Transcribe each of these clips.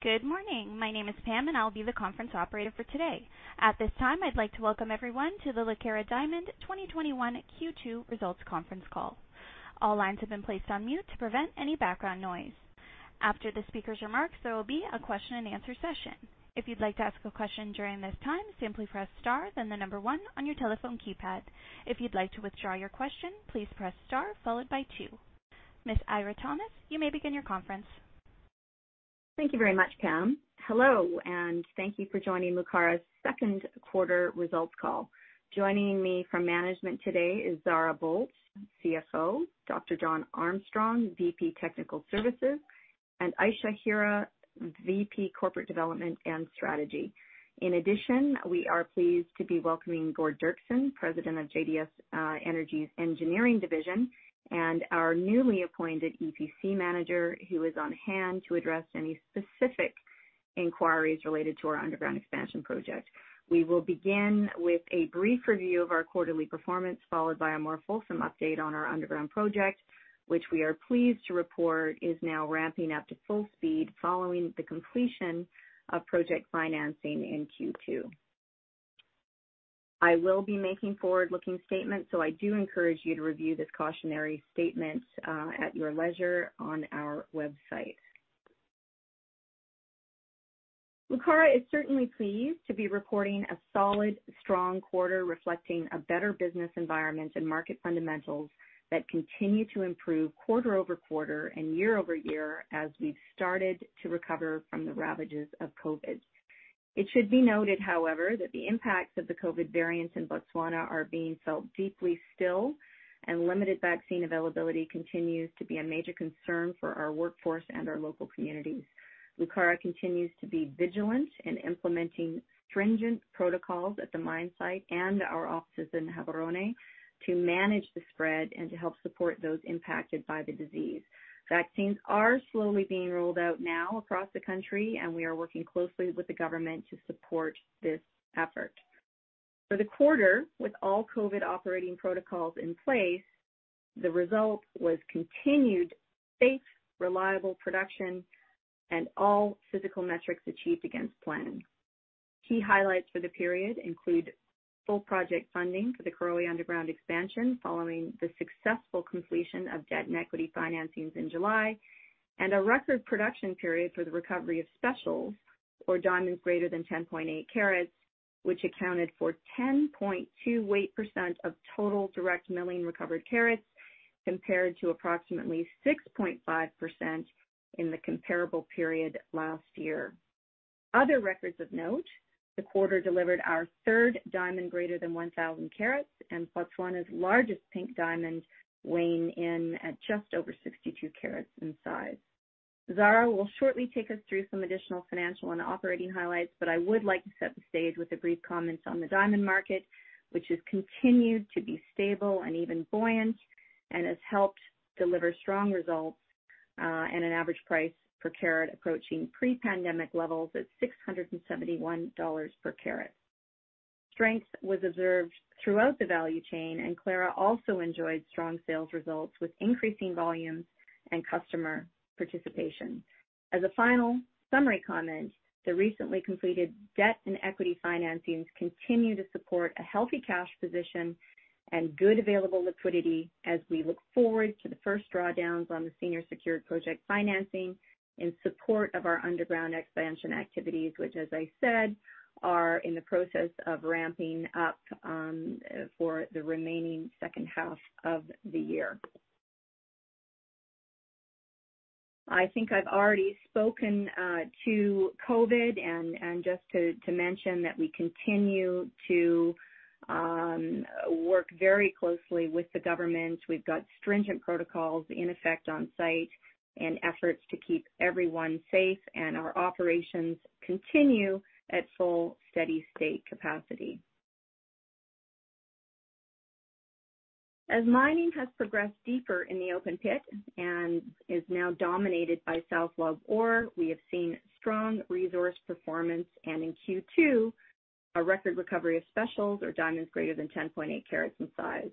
Good morning. My name is Pam, and I'll be the conference operator for today. At this time, I'd like to welcome everyone to the Lucara Diamond 2021 Q2 Results Conference Call. All lines have been placed on mute to prevent any background noise. After the speaker's remarks, there will be a question-and-answer session. If you'd like to ask a question during this time, simply press star, then one on your telephone keypad. If you'd like to withdraw your question, please press star followed by two. Ms. Eira Thomas, you may begin your conference. Thank you very much, Pam. Hello. Thank you for joining Lucara's second quarter results call. Joining me from management today is Zara Boldt, CFO, Dr. John Armstrong, VP Technical Services, and Ayesha Hira, VP Corporate Development and Strategy. In addition, we are pleased to be welcoming Gord Doerksen, President of JDS Energy and Mining's Engineering Division, and our newly appointed EPC manager, who is on hand to address any specific inquiries related to our underground expansion project. We will begin with a brief review of our quarterly performance, followed by a more fulsome update on our underground project, which we are pleased to report is now ramping up to full speed following the completion of project financing in Q2. I will be making forward-looking statements. I do encourage you to review this cautionary statement at your leisure on our website. Lucara is certainly pleased to be reporting a solid, strong quarter reflecting a better business environment and market fundamentals that continue to improve quarter-over-quarter and year-over-year as we've started to recover from the ravages of COVID. It should be noted, however, that the impacts of the COVID variants in Botswana are being felt deeply still, and limited vaccine availability continues to be a major concern for our workforce and our local communities. Lucara continues to be vigilant in implementing stringent protocols at the mine site and our offices in Gaborone to manage the spread and to help support those impacted by the disease. Vaccines are slowly being rolled out now across the country, and we are working closely with the government to support this effort. For the quarter, with all COVID operating protocols in place, the result was continued safe, reliable production, and all physical metrics achieved against plan. Key highlights for the period include full project funding for the Karowe Underground Expansion following the successful completion of debt and equity financings in July, and a record production period for the recovery of specials, or diamonds greater than 10.8 carats, which accounted for 10.2 weight percent of total direct milling recovered carats, compared to approximately 6.5% in the comparable period last year. Other records of note, the quarter delivered our third diamond greater than 1,000 carats, and Botswana's largest pink diamond weighing in at just over 62 carats in size. Zara will shortly take us through some additional financial and operating highlights. I would like to set the stage with a brief comment on the diamond market, which has continued to be stable and even buoyant and has helped deliver strong results, and an average price per carat approaching pre-pandemic levels at $671 per carat. Strength was observed throughout the value chain. Clara also enjoyed strong sales results with increasing volumes and customer participation. As a final summary comment, the recently completed debt and equity financings continue to support a healthy cash position and good available liquidity as we look forward to the first drawdowns on the senior secured project financing in support of our underground expansion activities, which, as I said, are in the process of ramping up for the remaining second half of the year. I think I've already spoken to COVID, and just to mention that we continue to work very closely with the government. We've got stringent protocols in effect on-site and efforts to keep everyone safe, and our operations continue at full, steady-state capacity. As mining has progressed deeper in the open pit and is now dominated by South Lobe ore, we have seen strong resource performance, and in Q2, a record recovery of specials or diamonds greater than 10.8 carats in size,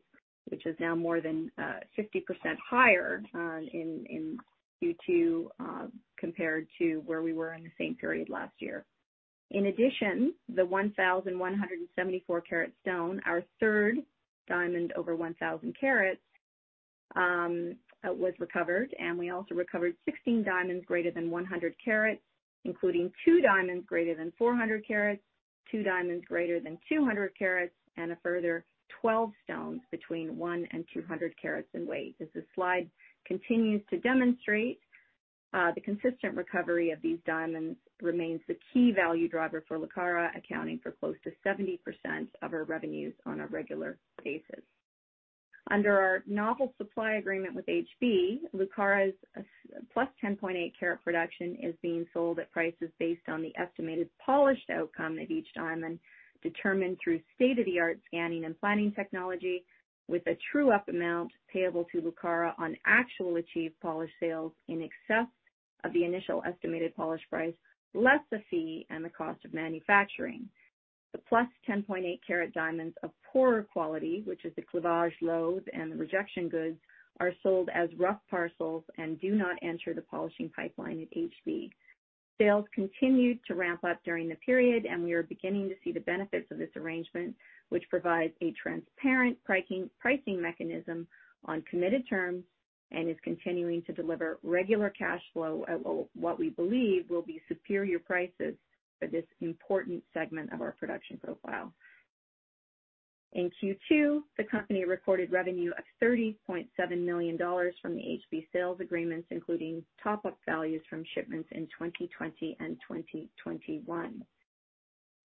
which is now more than 50% higher in Q2 compared to where we were in the same period last year. In addition, the 1,174 carat stone, our third diamond over 1,000 carats, was recovered, and we also recovered 16 diamonds greater than 100 carats, including two diamonds greater than 400 carats, two diamonds greater than 200 carats, and a further 12 stones between one and 200 carats in weight. As this slide continues to demonstrate, the consistent recovery of these diamonds remains the key value driver for Lucara, accounting for close to 70% of our revenues on a regular basis. Under our novel supply agreement with HB, Lucara's +10.8 carat production is being sold at prices based on the estimated polished outcome of each diamond, determined through state-of-the-art scanning and planning technology with a true-up amount payable to Lucara on actual achieved polished sales in excess of the initial estimated polish price, less the fee and the cost of manufacturing. The +10.8 carat diamonds of poorer quality, which is the cleavage loads and the rejection goods, are sold as rough parcels and do not enter the polishing pipeline at HB. Sales continued to ramp-up during the period, and we are beginning to see the benefits of this arrangement, which provides a transparent pricing mechanism on committed terms and is continuing to deliver regular cash flow at what we believe will be superior prices for this important segment of our production profile. In Q2, the company recorded revenue of $30.7 million from the HB sales agreements, including top-up values from shipments in 2020 and 2021.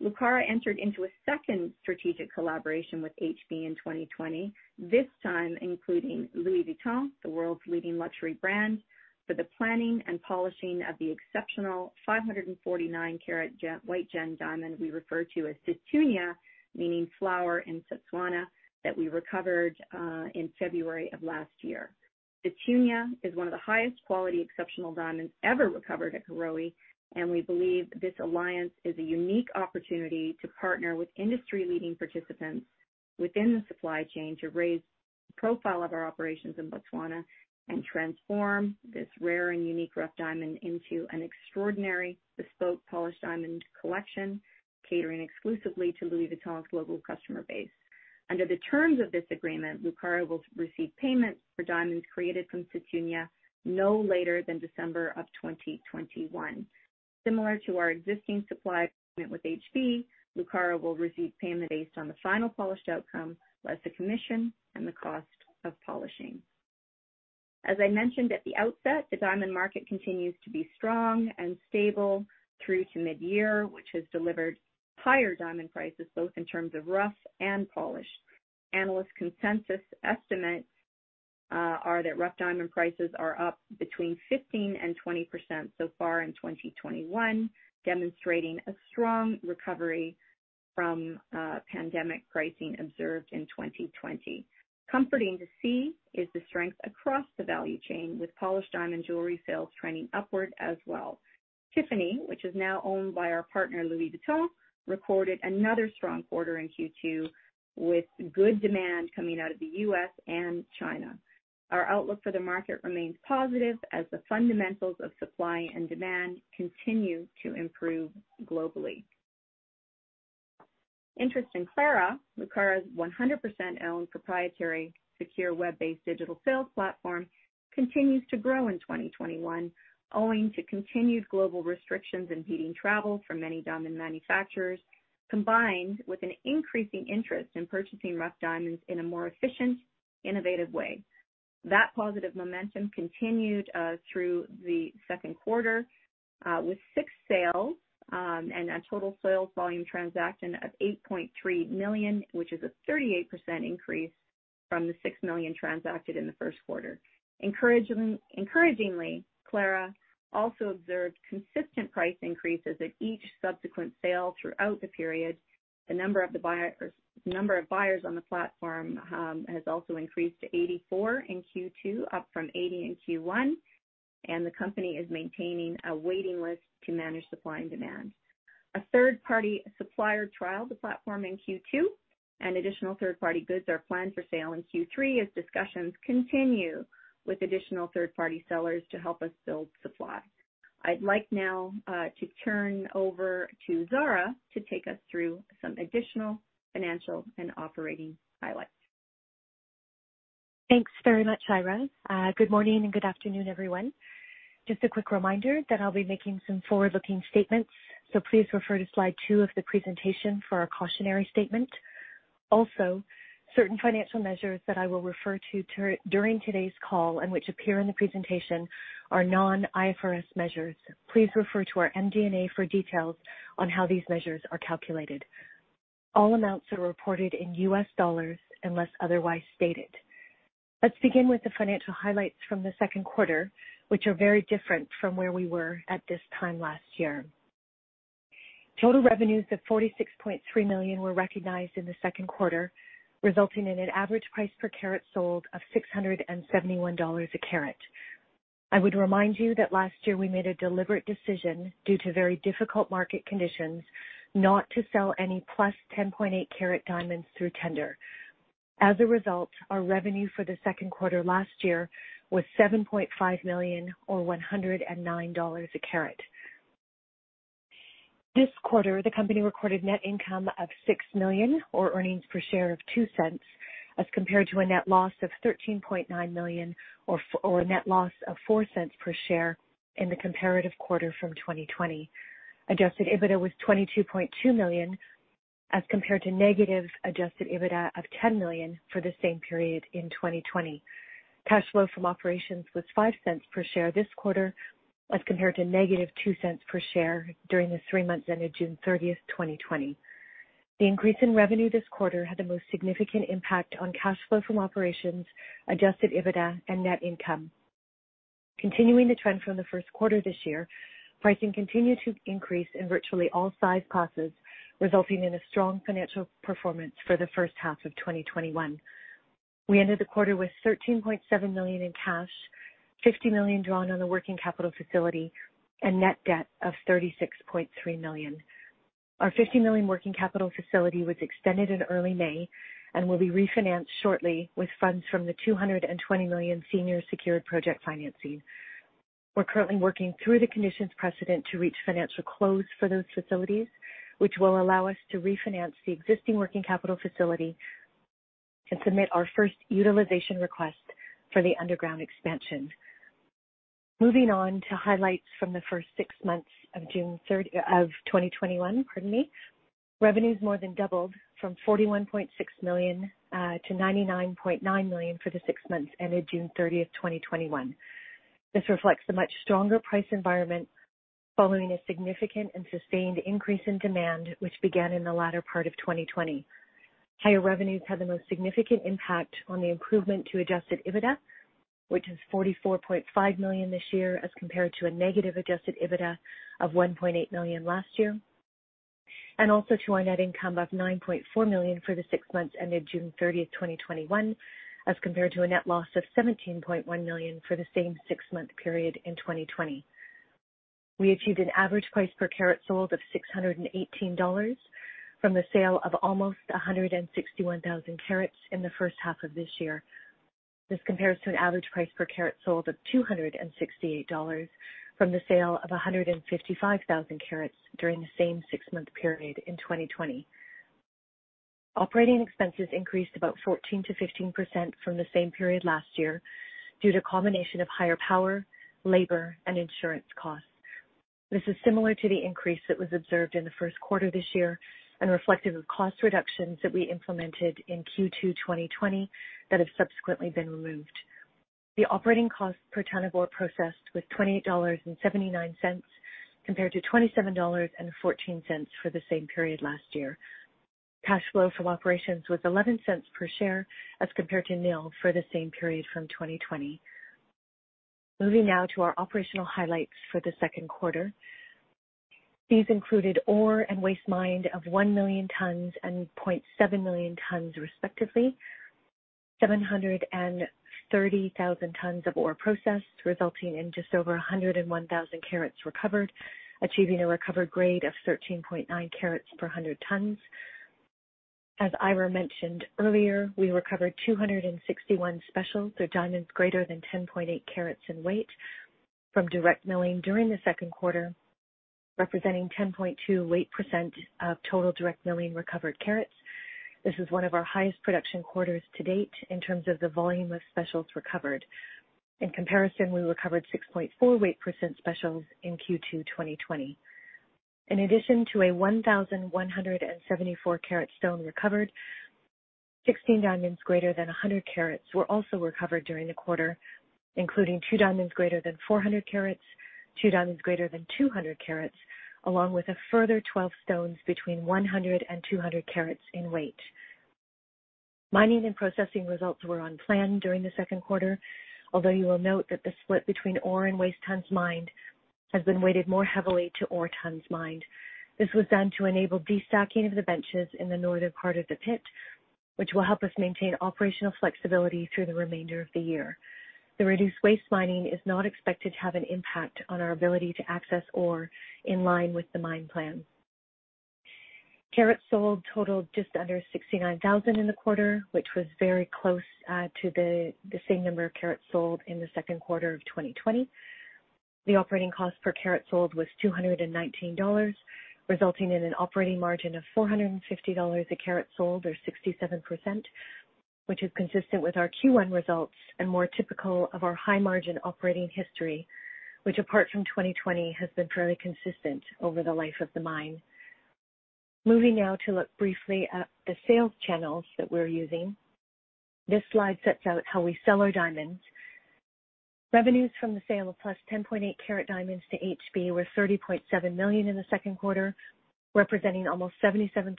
Lucara entered into a second strategic collaboration with HB in 2020, this time including Louis Vuitton, the world's leading luxury brand, for the planning and polishing of the exceptional 549-carat white gem diamond we refer to as Sethunya, meaning flower in Setswana, that we recovered in February of last year. Sethunya is one of the highest quality exceptional diamonds ever recovered at Karowe. We believe this alliance is a unique opportunity to partner with industry leading participants within the supply chain to raise the profile of our operations in Botswana and transform this rare and unique rough diamond into an extraordinary bespoke polished diamond collection, catering exclusively to Louis Vuitton's global customer base. Under the terms of this agreement, Lucara will receive payments for diamonds created from Sethunya no later than December of 2021. Similar to our existing supply agreement with HB, Lucara will receive payment based on the final polished outcome, less the commission and the cost of polishing. As I mentioned at the outset, the diamond market continues to be strong and stable through to mid-year, which has delivered higher diamond prices both in terms of rough and polished. Analyst consensus estimates are that rough diamond prices are up between 15% and 20% so far in 2021, demonstrating a strong recovery from pandemic pricing observed in 2020. Comforting to see is the strength across the value chain, with polished diamond jewelry sales trending upward as well. Tiffany, which is now owned by our partner Louis Vuitton, recorded another strong quarter in Q2 with good demand coming out of the U.S. and China. Our outlook for the market remains positive as the fundamentals of supply and demand continue to improve globally. Interest in Clara, Lucara's 100% owned proprietary secure web-based digital sales platform, continues to grow in 2021, owing to continued global restrictions impeding travel for many diamond manufacturers, combined with an increasing interest in purchasing rough diamonds in a more efficient, innovative way. That positive momentum continued through the second quarter with six sales and a total sales volume transaction of $8.3 million, which is a 38% increase from the $6 million transacted in the first quarter. Encouragingly, Clara also observed consistent price increases at each subsequent sale throughout the period. The number of buyers on the platform has also increased to 84 in Q2, up from 80 in Q1, and the company is maintaining a waiting list to manage supply and demand. A third party supplier trialed the platform in Q2, and additional third party goods are planned for sale in Q3 as discussions continue with additional third party sellers to help us build supply. I'd like now to turn over to Zara to take us through some additional financial and operating highlights. Thanks very much, Eira. Good morning and good afternoon, everyone. Just a quick reminder that I'll be making some forward-looking statements, so please refer to slide two of the presentation for our cautionary statement. Also, certain financial measures that I will refer to during today's call and which appear in the presentation are non-IFRS measures. Please refer to our MD&A for details on how these measures are calculated. All amounts are reported in U.S. dollars unless otherwise stated. Let's begin with the financial highlights from the second quarter, which are very different from where we were at this time last year. Total revenues of $46.3 million were recognized in the second quarter, resulting in an average price per carat sold of $671 a carat. I would remind you that last year we made a deliberate decision, due to very difficult market conditions, not to sell any +10.8 carat diamonds through tender. Result, our revenue for the second quarter last year was $7.5 million or $109 a carat. This quarter, the company recorded net income of $6 million or earnings per share of $0.02, as compared to a net loss of $13.9 million or a net loss of $0.04 per share in the comparative quarter from 2020. Adjusted EBITDA was $22.2 million as compared to negative adjusted EBITDA of $10 million for the same period in 2020. Cash flow from operations was $0.05 per share this quarter as compared to -$0.02 per share during the three months ended June 30th, 2020. The increase in revenue this quarter had the most significant impact on cash flow from operations, adjusted EBITDA, and net income. Continuing the trend from the first quarter this year, pricing continued to increase in virtually all size classes, resulting in a strong financial performance for the first half of 2021. We ended the quarter with $13.7 million in cash, $50 million drawn on the working capital facility, and net debt of $36.3 million. Our $50 million working capital facility was extended in early May and will be refinanced shortly with funds from the $220 million senior secured project financing. We're currently working through the conditions precedent to reach financial close for those facilities, which will allow us to refinance the existing working capital facility and submit our first utilization request for the underground expansion. Moving on to highlights from the first six months of 2021. Revenues more than doubled from $41.6 million-$99.9 million for the six months ended June 30th, 2021. This reflects the much stronger price environment following a significant and sustained increase in demand, which began in the latter part of 2020. Higher revenues had the most significant impact on the improvement to adjusted EBITDA, which is $44.5 million this year as compared to a negative adjusted EBITDA of $1.8 million last year. Also to our net income of $9.4 million for the six months ended June 30, 2021, as compared to a net loss of $17.1 million for the same six-month period in 2020. We achieved an average price per carat sold of $618 from the sale of almost 161,000 carats in the first half of this year. This compares to an average price per carat sold of $268 from the sale of 155,000 carats during the same six-month period in 2020. Operating expenses increased about 14%-15% from the same period last year due to a combination of higher power, labor, and insurance costs. This is similar to the increase that was observed in the first quarter this year and reflective of cost reductions that we implemented in Q2 2020 that have subsequently been removed. The operating cost per tonne of ore processed was $28.79 compared to $27.14 for the same period last year. Cash flow from operations was $0.11 per share as compared to nil for the same period from 2020. Moving now to our operational highlights for the second quarter. These included ore and waste mined of 1 million tonnes and 0.7 million tonnes respectively, 730,000 tonnes of ore processed, resulting in just over 101,000 carats recovered, achieving a recovered grade of 13.9 carats per 100 tonnes. As Eira mentioned earlier, we recovered 261 specials, so diamonds greater than 10.8 carats in weight, from direct milling during the second quarter, representing 10.2 weight % of total direct milling recovered carats. This is one of our highest production quarters to date in terms of the volume of specials recovered. In comparison, we recovered 6.4 weight percent specials in Q2 2020. In addition to a 1,174 carat stone recovered, 16 diamonds greater than 100 carats were also recovered during the quarter, including two diamonds greater than 400 carats, two diamonds greater than 200 carats, along with a further 12 stones between 100 and 200 carats in weight. Mining and processing results were on plan during the second quarter, although you will note that the split between ore and waste tons mined has been weighted more heavily to ore tons mined. This was done to enable destocking of the benches in the northern part of the pit, which will help us maintain operational flexibility through the remainder of the year. The reduced waste mining is not expected to have an impact on our ability to access ore in line with the mine plan. Carats sold totaled just under 69,000 in the quarter, which was very close to the same number of carats sold in the second quarter of 2020. The operating cost per carat sold was $219, resulting in an operating margin of $450 a carat sold or 67%, which is consistent with our Q1 results and more typical of our high-margin operating history, which apart from 2020, has been fairly consistent over the life of the mine. Moving now to look briefly at the sales channels that we're using. This slide sets out how we sell our diamonds. Revenues from the sale of +10.8 carat diamonds to HB were $30.7 million in the second quarter, representing almost 77%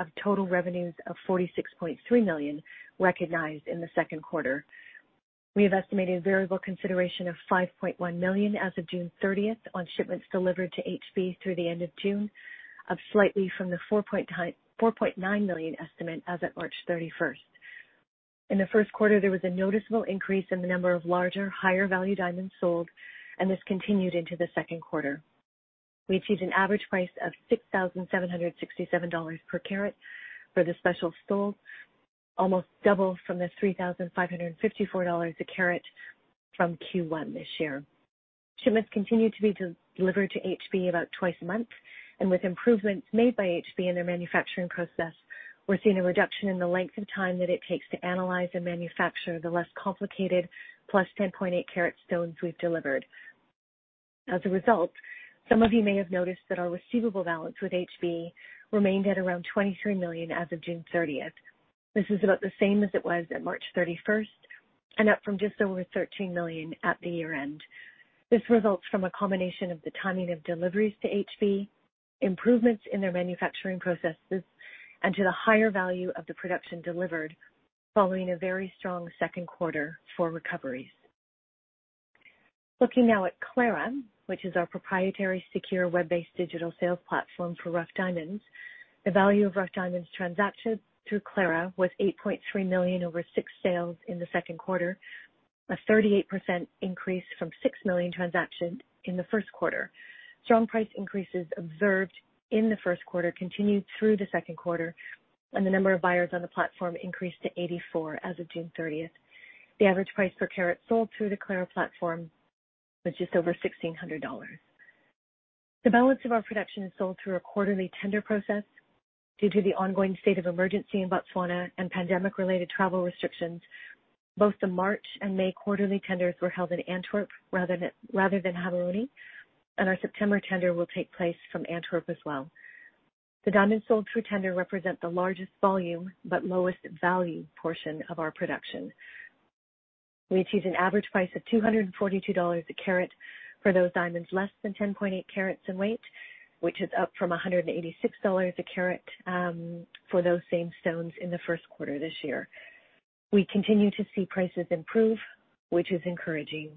of total revenues of $46.3 million recognized in the second quarter. We have estimated variable consideration of $5.1 million as of June 30th on shipments delivered to HB through the end of June, up slightly from the $4.9 million estimate as at March 31st. In the first quarter, there was a noticeable increase in the number of larger, higher-value diamonds sold, and this continued into the second quarter. We achieved an average price of $6,767 per carat for the specials sold, almost double from the $3,554 a carat from Q1 this year. Shipments continued to be delivered to HB about twice a month, and with improvements made by HB in their manufacturing process, we're seeing a reduction in the length of time that it takes to analyze and manufacture the less complicated +10.8 carat stones we've delivered. As a result, some of you may have noticed that our receivable balance with HB remained at around $23 million as of June 30th. This is about the same as it was at March 31st and up from just over $13 million at the year-end. This results from a combination of the timing of deliveries to HB, improvements in their manufacturing processes, and to the higher value of the production delivered following a very strong second quarter for recoveries. Looking now at Clara, which is our proprietary secure web-based digital sales platform for rough diamonds. The value of rough diamonds transactions through Clara was $8.3 million over six sales in the second quarter, a 38% increase from $6 million transactions in the first quarter. Strong price increases observed in the first quarter continued through the second quarter, and the number of buyers on the platform increased to 84 as of June 30th. The average price per carat sold through the Clara platform was just over $1,600. The balance of our production is sold through a quarterly tender process. Due to the ongoing state of emergency in Botswana and pandemic-related travel restrictions, both the March and May quarterly tenders were held in Antwerp rather than Gaborone. Our September tender will take place from Antwerp as well. The diamonds sold through tender represent the largest volume but lowest value portion of our production. We achieved an average price of $242 a carat for those diamonds less than 10.8 carats in weight, which is up from $186 a carat for those same stones in the first quarter this year. We continue to see prices improve, which is encouraging.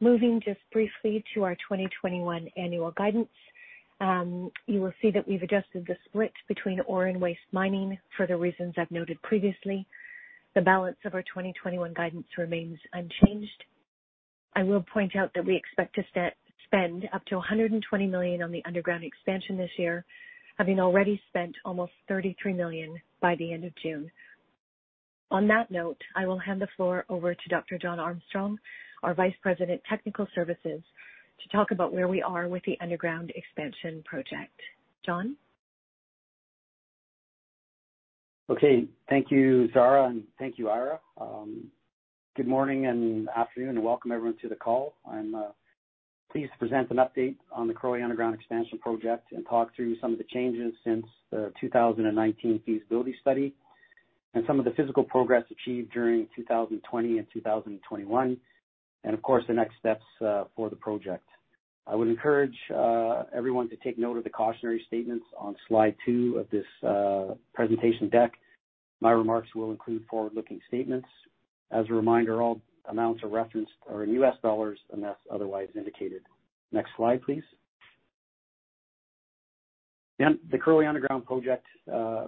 Moving just briefly to our 2021 annual guidance. You will see that we've adjusted the split between ore and waste mining for the reasons I've noted previously. The balance of our 2021 guidance remains unchanged. I will point out that we expect to spend up to $120 million on the underground expansion this year, having already spent almost $33 million by the end of June. On that note, I will hand the floor over to Dr. John Armstrong, our Vice President, Technical Services, to talk about where we are with the underground expansion project. John? Okay. Thank you, Zara, and thank you, Eira. Good morning and afternoon, and welcome everyone to the call. I'm pleased to present an update on the Karowe Underground Expansion project and talk through some of the changes since the 2019 feasibility study and some of the physical progress achieved during 2020 and 2021, and of course, the next steps for the project. I would encourage everyone to take note of the cautionary statements on slide two of this presentation deck. My remarks will include forward-looking statements. As a reminder, all amounts are referenced are in U.S. dollars unless otherwise indicated. Next slide, please. The Karowe Underground Project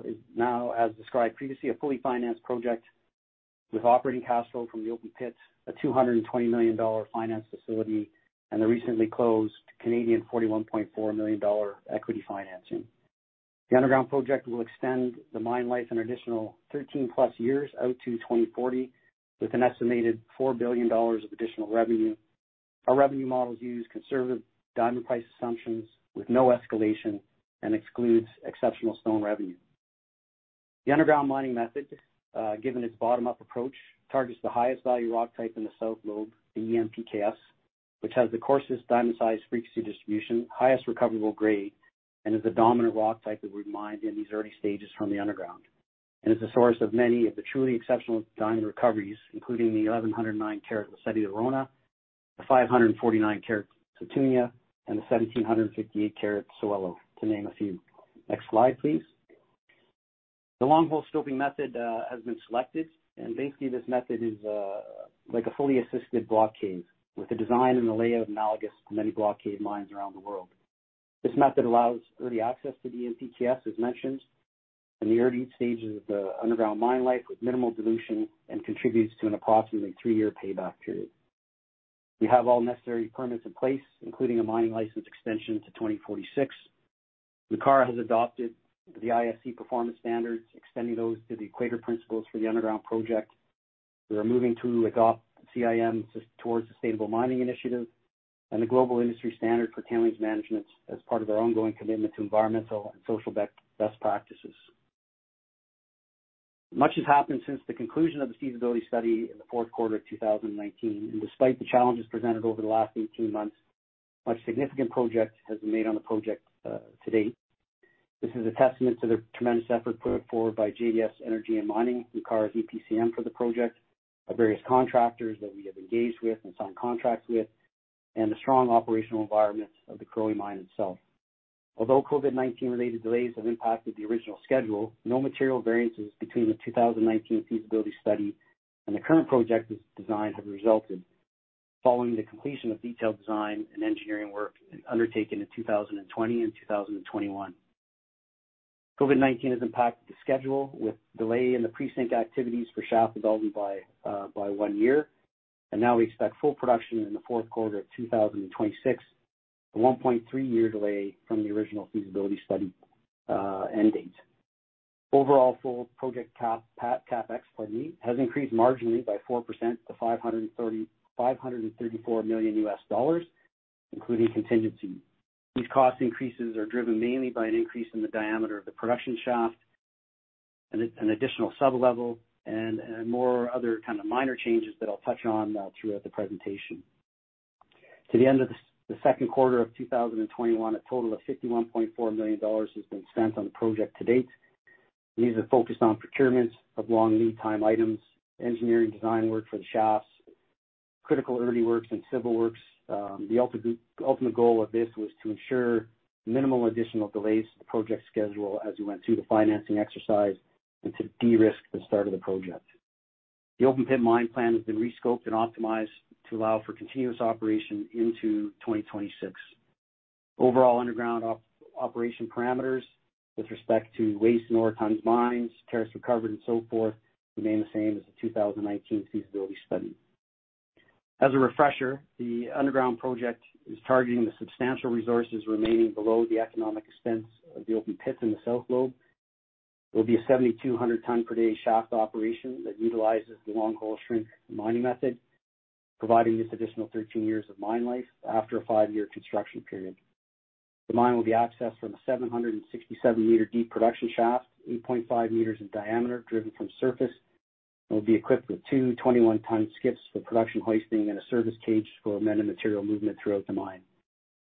is now, as described previously, a fully financed project with operating cash flow from the open pits, a $220 million finance facility, and the recently closed Canadian $41.4 million equity financing. The underground project will extend the mine life an additional 13+ years out to 2040, with an estimated $4 billion of additional revenue. Our revenue models use conservative diamond price assumptions with no escalation and excludes exceptional stone revenue. The underground mining method, given its bottom-up approach, targets the highest-value rock type in the South Lobe, the EM/PK(S), which has the coarsest diamond size frequency distribution, highest recoverable grade, and is the dominant rock type that we mine in these early stages from the underground, and is the source of many of the truly exceptional diamond recoveries, including the 1,109-carat Lesedi La Rona, the 549-carat Sethunya, and the 1,758-carat Sewelô, to name a few. Next slide, please. The long hole stoping method has been selected. Basically, this method is like a fully assisted block cave with the design and the layout analogous to many block cave mines around the world. This method allows early access to the EM/PK(S), as mentioned, in the early stages of the underground mine life with minimal dilution and contributes to an approximately three-year payback period. We have all necessary permits in place, including a mining license extension to 2046. Lucara has adopted the IFC performance standards, extending those to the Equator Principles for the underground project. We are moving to adopt CIM Towards Sustainable Mining initiative and the Global Industry Standard for Tailings Management as part of our ongoing commitment to environmental and social best practices. Much has happened since the conclusion of the feasibility study in the fourth quarter of 2019, and despite the challenges presented over the last 18 months, much significant progress has been made on the project to date. This is a testament to the tremendous effort put forward by JDS Energy & Mining, Lucara's EPCM for the project, our various contractors that we have engaged with and signed contracts with, and the strong operational environment of the Karowe mine itself. Although COVID-19 related delays have impacted the original schedule, no material variances between the 2019 feasibility study and the current project design have resulted following the completion of detailed design and engineering work undertaken in 2020 and 2021. COVID-19 has impacted the schedule with delay in the pre-sink activities for shaft development by one year. Now we expect full production in the fourth quarter of 2026, a 1.3-year delay from the original feasibility study end date. Overall full project CapEx has increased marginally by 4% to $534 million, including contingency. These cost increases are driven mainly by an increase in the diameter of the production shaft, an additional sub-level, and more other kind of minor changes that I'll touch on throughout the presentation. To the end of the second quarter of 2021, a total of $51.4 million has been spent on the project to date. These are focused on procurements of long lead time items, engineering design work for the shafts, critical early works, and civil works. The ultimate goal of this was to ensure minimal additional delays to the project schedule as we went through the financing exercise. To de-risk the start of the project. The open pit mine plan has been re-scoped and optimized to allow for continuous operation into 2026. Overall underground operation parameters with respect to waste and ore tons mined, carats recovered, and so forth, remain the same as the 2019 feasibility study. As a refresher, the underground project is targeting the substantial resources remaining below the economic extents of the open pits in the South Lobe. There will be a 7,200-tonne per day shaft operation that utilizes the long hole shrinkage method, providing this additional 13 years of mine life after a five-year construction period. The mine will be accessed from a 767-m deep production shaft, 8.5 m in diameter, driven from surface, and will be equipped with two 21-tonnes skips for production hoisting and a service cage for amended material movement throughout the mine.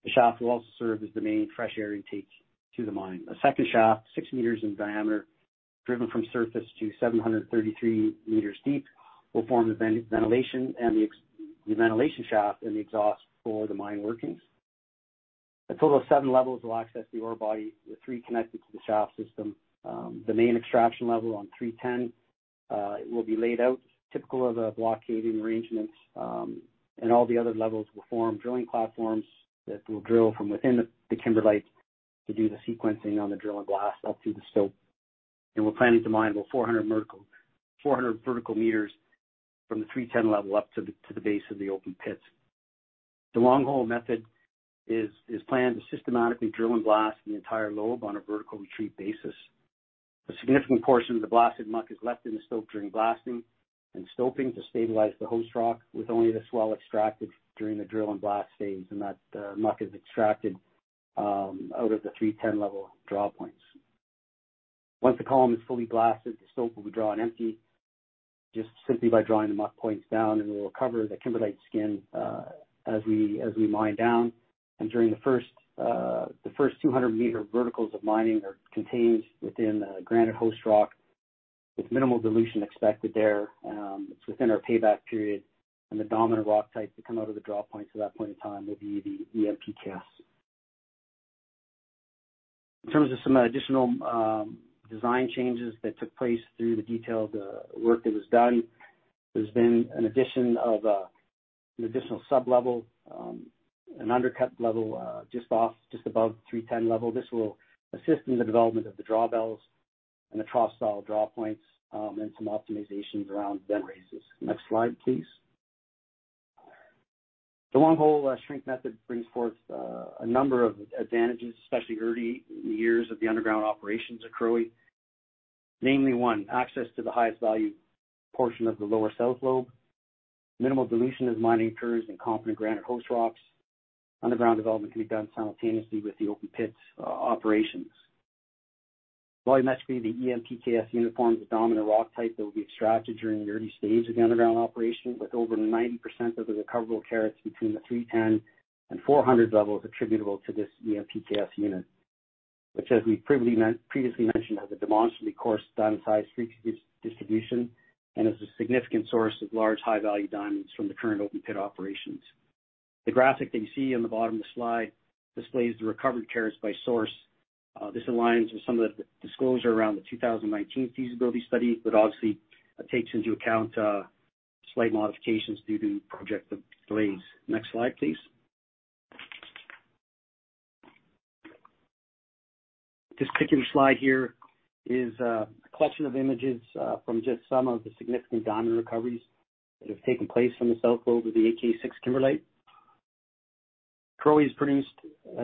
The shaft will also serve as the main fresh air intake to the mine. A second shaft, six meters in diameter, driven from surface to 733 m deep, will form the ventilation shaft and the exhaust for the mine workings. A total of seven levels will access the ore body, with three connected to the shaft system. The main extraction level on 310, it will be laid out typical of the block caving arrangements, and all the other levels will form drilling platforms that will drill from within the kimberlite to do the sequencing on the drill and blast up through the stope. We're planning to mine about 400 vertical meters from the 310 level up to the base of the open pits. The long hole method is planned to systematically drill and blast the entire lobe on a vertical retreat basis. A significant portion of the blasted muck is left in the stope during blasting and stoping to stabilize the host rock, with only the swell extracted during the drill and blast phase, and that muck is extracted out of the 310 level draw points. Once the column is fully blasted, the stope will be drawn empty, just simply by drawing the muck points down, and we'll recover the kimberlite skin as we mine down. During the first 200-m verticals of mining are contained within a granite host rock with minimal dilution expected there. It's within our payback period. The dominant rock types that come out of the draw points at that point in time will be the EM/PK(S). In terms of some additional design changes that took place through the detailed work that was done, there's been an addition of an additional sublevel, an undercut level just above the 310 level. This will assist in the development of the drawbells and the trough-style draw points. Some optimizations around vent raises. Next slide, please. The long hole shrinkage method brings forth a number of advantages, especially early years of the underground operations at Karowe. Namely, one, access to the highest value portion of the lower South Lobe. Minimal dilution as mining occurs in competent granite host rocks. Underground development can be done simultaneously with the open pits operations. Volumetrically, the EM/PK(S) unit forms a dominant rock type that will be extracted during the early stage of the underground operation, with over 90% of the recoverable carats between the 310 and 400 levels attributable to this EM/PK(S) unit, which, as we've previously mentioned, has a demonstrably coarse diamond size frequency distribution and is a significant source of large, high-value diamonds from the current open pit operations. The graphic that you see on the bottom of the slide displays the recovered carats by source. This aligns with some of the disclosure around the 2019 feasibility study, but obviously takes into account slight modifications due to project delays. Next slide, please. This particular slide here is a collection of images from just some of the significant diamond recoveries that have taken place from the South Lobe of the AK6 kimberlite. Karowe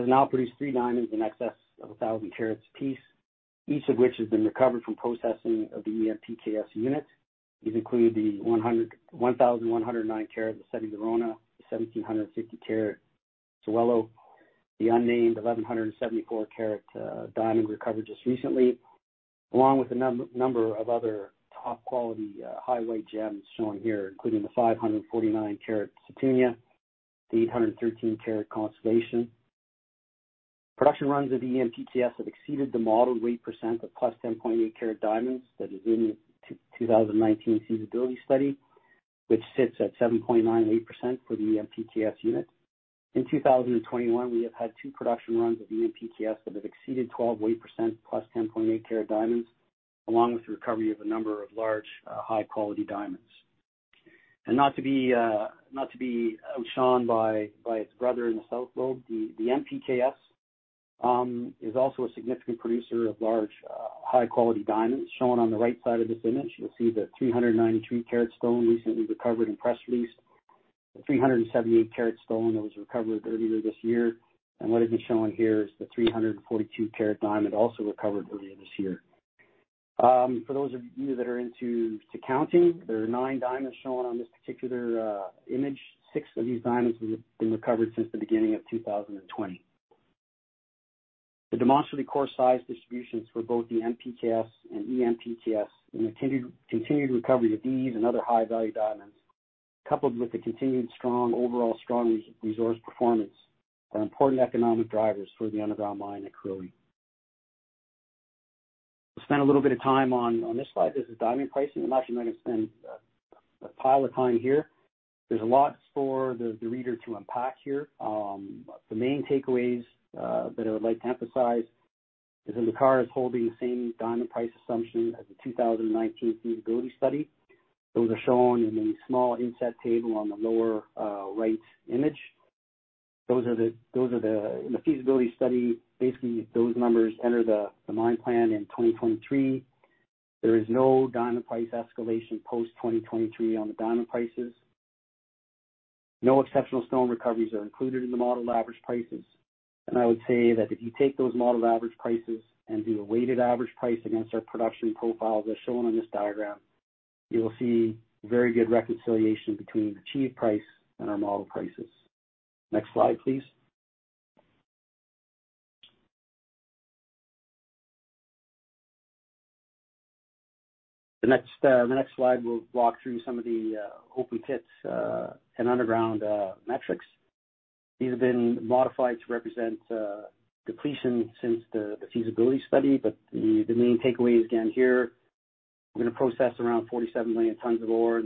has now produced three diamonds in excess of 1,000 carats a piece, each of which has been recovered from processing of the EM/PK(S) units. These include the 1,109-carat Lesedi La Rona, the 1,750-carat Sewelô, the unnamed 1,174-carat diamond recovered just recently, along with a number of other top-quality, high-weight gems shown here, including the 549-carat Sethunya, the 813-carat The Constellation. Production runs of the EM/PK(S) have exceeded the modeled weight percent of plus 10.8-carat diamonds that is in the 2019 feasibility study, which sits at 7.98% for the EM/PK(S) unit. In 2021, we have had two production runs of EM/PK(S) that have exceeded 12 weight percent +10.8-carat diamonds, along with the recovery of a number of large, high-quality diamonds. Not to be outshone by its brother in the South Lobe, the M/PK(S) is also a significant producer of large, high-quality diamonds. Shown on the right side of this image, you'll see the 392-carat stone recently recovered in press release, the 378-carat stone that was recovered earlier this year, and what isn't shown here is the 342-carat diamond also recovered earlier this year. For those of you that are into accounting, there are nine diamonds shown on this particular image. six of these diamonds have been recovered since the beginning of 2020. The demonstrably coarse size distributions for both the M/PK(S) and EM/PK(S), and the continued recovery of these and other high-value diamonds, coupled with the continued overall strong resource performance, are important economic drivers for the underground mine at Karowe. We'll spend a little bit of time on this slide. This is diamond pricing. I'm actually going to spend a lot of time here. There's a lot for the reader to unpack here. The main takeaways that I would like to emphasize is that Lucara is holding the same diamond price assumption as the 2019 feasibility study. Those are shown in the small inset table on the lower right image. In the feasibility study, basically, those numbers enter the mine plan in 2023. There is no diamond price escalation post 2023 on the diamond prices. No exceptional stone recoveries are included in the modeled average prices. I would say that if you take those modeled average prices and do a weighted average price against our production profiles as shown on this diagram, you'll see very good reconciliation between the achieved price and our model prices. Next slide, please. The next slide, we'll walk through some of the open pits and underground metrics. These have been modified to represent depletion since the feasibility study. The main takeaway is, again, here, we're going to process around 47 million tons of ore.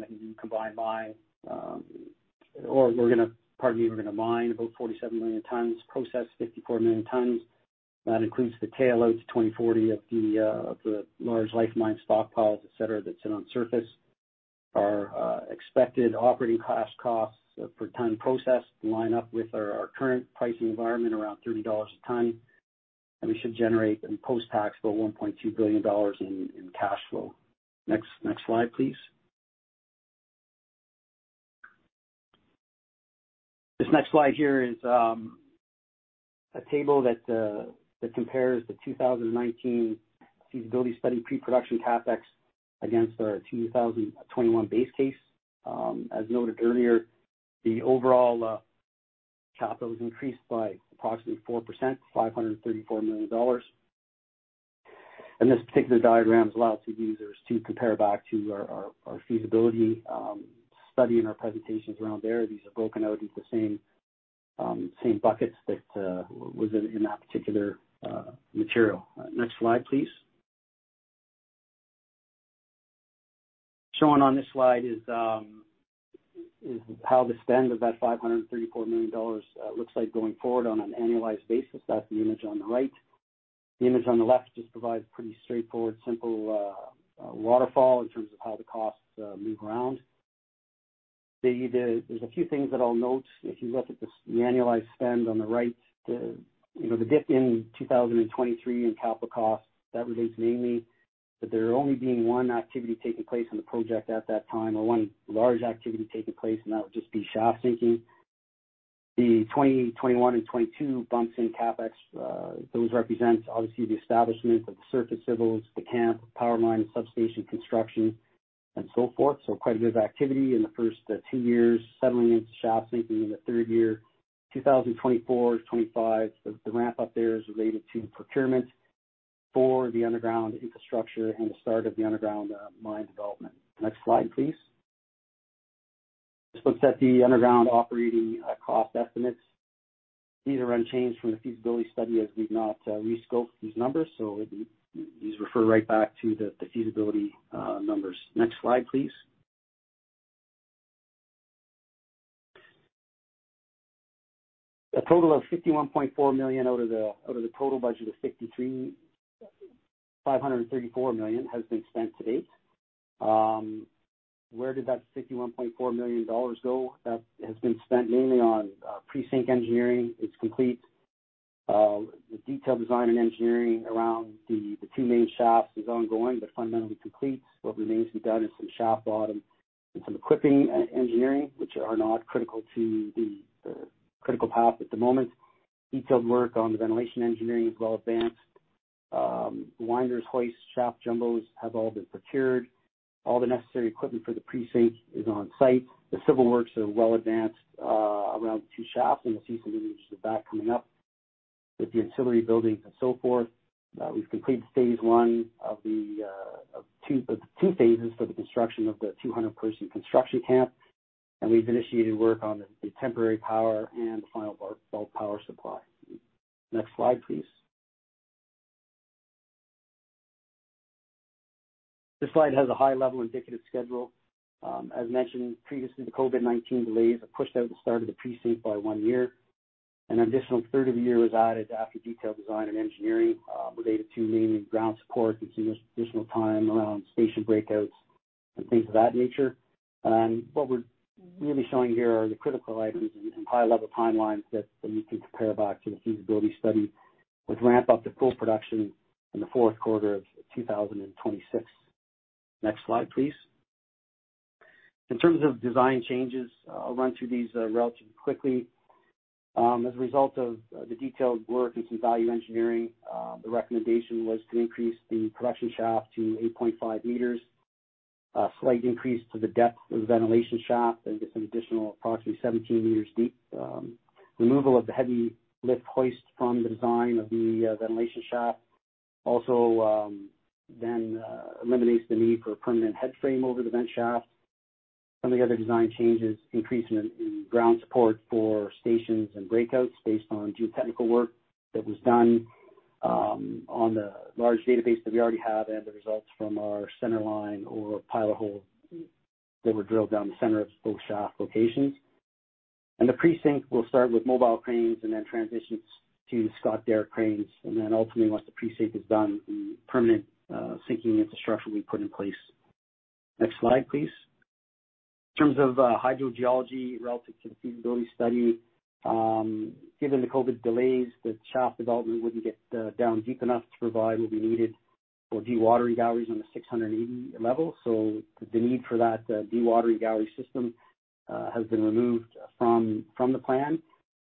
Pardon me, we're going to mine about 47 million tons, process 54 million tons. That includes the tail out to 2040 of the large life mine stockpiles, et cetera, that sit on surface. Our expected operating cash costs for ton processed line up with our current pricing environment, around $30 a ton. We should generate in post-tax about $1.2 billion in cash flow. Next slide, please. This next slide here is a table that compares the 2019 feasibility study pre-production CapEx against our 2021 base case. As noted earlier, the overall capital was increased by approximately 4%, $534 million. This particular diagram allows the users to compare back to our feasibility study and our presentations around there. These are broken out into the same buckets that was in that particular material. Next slide, please. Shown on this slide is how the spend of that $534 million looks like going forward on an annualized basis. That's the image on the right. The image on the left just provides pretty straightforward, simple waterfall in terms of how the costs move around. There's a few things that I'll note. If you look at the annualized spend on the right, the dip in 2023 in capital costs, that relates mainly that there only being one activity taking place on the project at that time, or one large activity taking place, and that would just be shaft sinking. The 2020, 2021, and 2022 bumps in CapEx, those represent, obviously, the establishment of the surface civils, the camp, power line, and substation construction, and so forth. Quite a bit of activity in the first two years, settling into shaft sinking in the third year. 2024, 2025, the ramp up there is related to procurement for the underground infrastructure and the start of the underground mine development. Next slide, please. This looks at the underground operating cost estimates. These are unchanged from the feasibility study as we've not re-scoped these numbers, so these refer right back to the feasibility numbers. Next slide, please. A total of $51.4 million out of the total budget of $534 million has been spent to date. Where did that $51.4 million go? That has been spent mainly on pre-sink engineering. It's complete. The detailed design and engineering around the two main shafts is ongoing, but fundamentally complete. What remains to be done is some shaft bottom and some equipping engineering, which are not critical to the critical path at the moment. Detailed work on the ventilation engineering is well advanced. Winders, hoists, shaft jumbos have all been procured. All the necessary equipment for the pre-sink is on site. The civil works are well advanced around the two shafts, and you'll see some images of that coming up, with the ancillary buildings and so forth. We've completed phase I of the two phases for the construction of the 200-person construction camp, and we've initiated work on the temporary power and the final bulk power supply. Next slide, please. This slide has a high-level indicative schedule. As mentioned previously, the COVID-19 delays have pushed out the start of the pre-sink by one year. An additional third of a year was added after detailed design and engineering, related to mainly ground support. You can see there's additional time around station breakouts and things of that nature. What we're really showing here are the critical items and high-level timelines that you can compare back to the feasibility study, with ramp up to full production in the fourth quarter of 2026. Next slide, please. In terms of design changes, I'll run through these relatively quickly. As a result of the detailed work and some value engineering, the recommendation was to increase the production shaft to 8.5 m. A slight increase to the depth of the ventilation shaft and get some additional, approximately 17 m deep. Removal of the heavy lift hoist from the design of the ventilation shaft also then eliminates the need for a permanent head frame over the vent shaft. Some of the other design changes, increase in ground support for stations and breakouts based on geotechnical work that was done. On the large database that we already have and the results from our centerline or pilot hole that were drilled down the center of both shaft locations. The pre-sink will start with mobile cranes and then transition to Scotch derrick cranes, and then ultimately, once the pre-sink is done, the permanent sinking infrastructure will be put in place. Next slide, please. In terms of hydrogeology relative to the feasibility study, given the COVID delays, the shaft development wouldn't get down deep enough to provide what we needed for dewatering galleries on the 680 level. The need for that dewatering gallery system has been removed from the plan.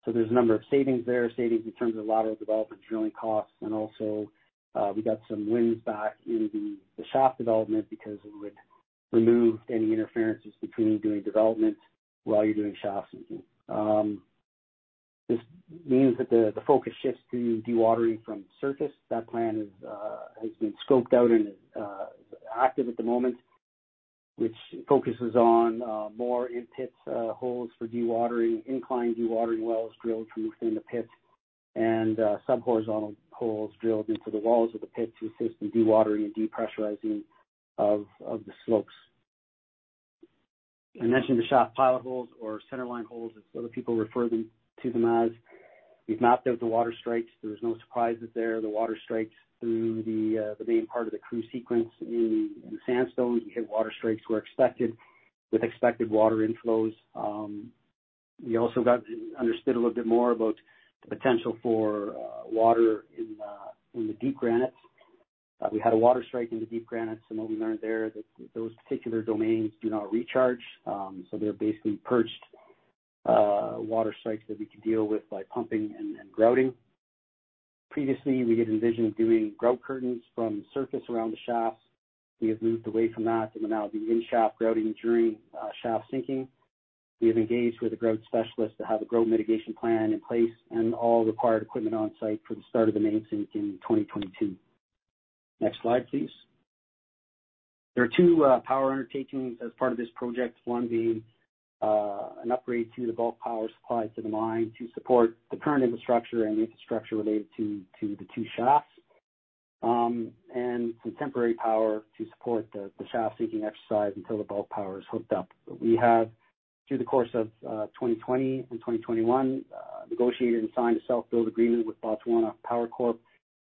There's a number of savings there, savings in terms of lateral development, drilling costs, and also we got some wins back in the shaft development because it would remove any interferences between doing development while you're doing shaft sinking. This means that the focus shifts to dewatering from surface. That plan has been scoped out and is active at the moment, which focuses on more in-pit holes for dewatering, incline dewatering wells drilled from within the pit, and subhorizontal holes drilled into the walls of the pit to assist in dewatering and depressurizing of the slopes. I mentioned the shaft pilot holes or centerline holes, as other people refer to them as. We've mapped out the water strikes. There was no surprises there. The water strikes through the main part of the Karoo Sequence in the sandstone. We hit water strikes where expected with expected water inflows. We also understood a little bit more about the potential for water in the deep granite. We had a water strike in the deep granite, so what we learned there that those particular domains do not recharge. They're basically perched water strikes that we can deal with by pumping and grouting. Previously, we had envisioned doing grout curtains from surface around the shafts. We have moved away from that, and we'll now be in-shaft grouting during shaft sinking. We have engaged with a grout specialist to have a grout mitigation plan in place and all required equipment on-site for the start of the main sink in 2022. Next slide, please. There are two power undertakings as part of this project, one being an upgrade to the bulk power supply to the mine to support the current infrastructure and the infrastructure related to the two shafts, and some temporary power to support the shaft-sinking exercise until the bulk power is hooked up. We have, through the course of 2020 and 2021, negotiated and signed a self-build agreement with Botswana Power Corporation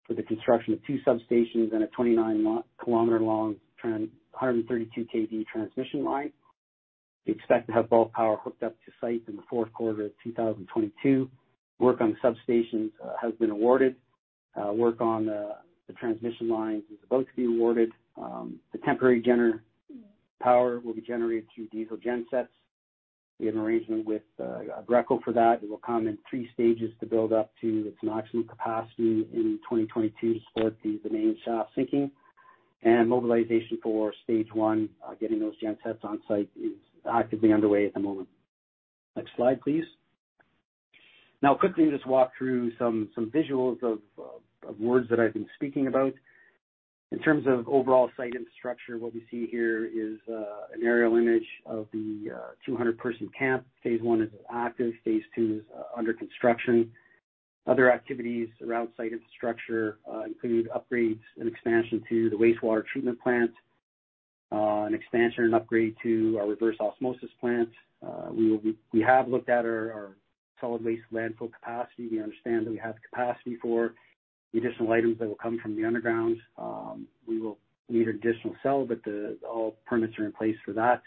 for the construction of two substations and a 29-km-long, 132 kV transmission line. We expect to have bulk power hooked up to site in the fourth quarter of 2022. Work on the substations has been awarded. Work on the transmission lines is about to be awarded. The temporary power will be generated through diesel gen sets. We have an arrangement with Aggreko for that. It will come in three stages to build up to its maximum capacity in 2022 to support the main shaft sinking. Mobilization for stage one, getting those gen sets on-site, is actively underway at the moment. Next slide, please. Now, quickly just walk through some visuals of words that I've been speaking about. In terms of overall site infrastructure, what we see here is an aerial image of the 200-person camp. Phase I is active. Phase II is under construction. Other activities around site infrastructure include upgrades and expansion to the wastewater treatment plant, an expansion and upgrade to our reverse osmosis plant. We have looked at our solid waste landfill capacity. We understand that we have the capacity for the additional items that will come from the underground. We will need an additional cell, all permits are in place for that.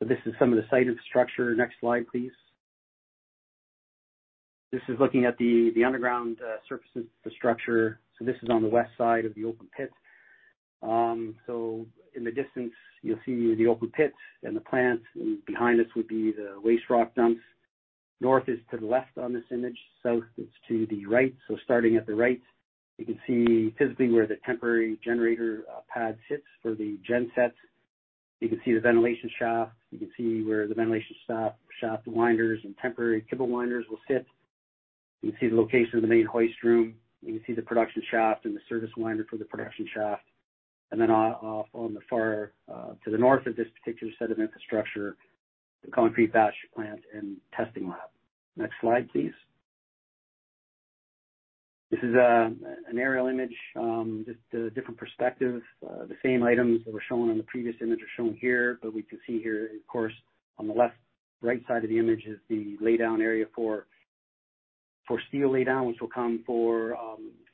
This is some of the site infrastructure. Next slide, please. This is looking at the underground surface infrastructure. This is on the west side of the open pit. In the distance, you'll see the open pit and the plant, and behind this would be the waste rock dumps. North is to the left on this image. South is to the right. Starting at the right, you can see physically where the temporary generator pad sits for the gen sets. You can see the ventilation shaft. You can see where the ventilation shaft winders and temporary kibble winders will sit. You can see the location of the main hoist room. You can see the production shaft and the service winder for the production shaft. Off on the far to the north of this particular set of infrastructure, the concrete batch plant and testing lab. Next slide, please. This is an aerial image, just a different perspective. The same items that were shown on the previous image are shown here. We can see here, of course, on the right side of the image is the laydown area for steel laydown, which will come for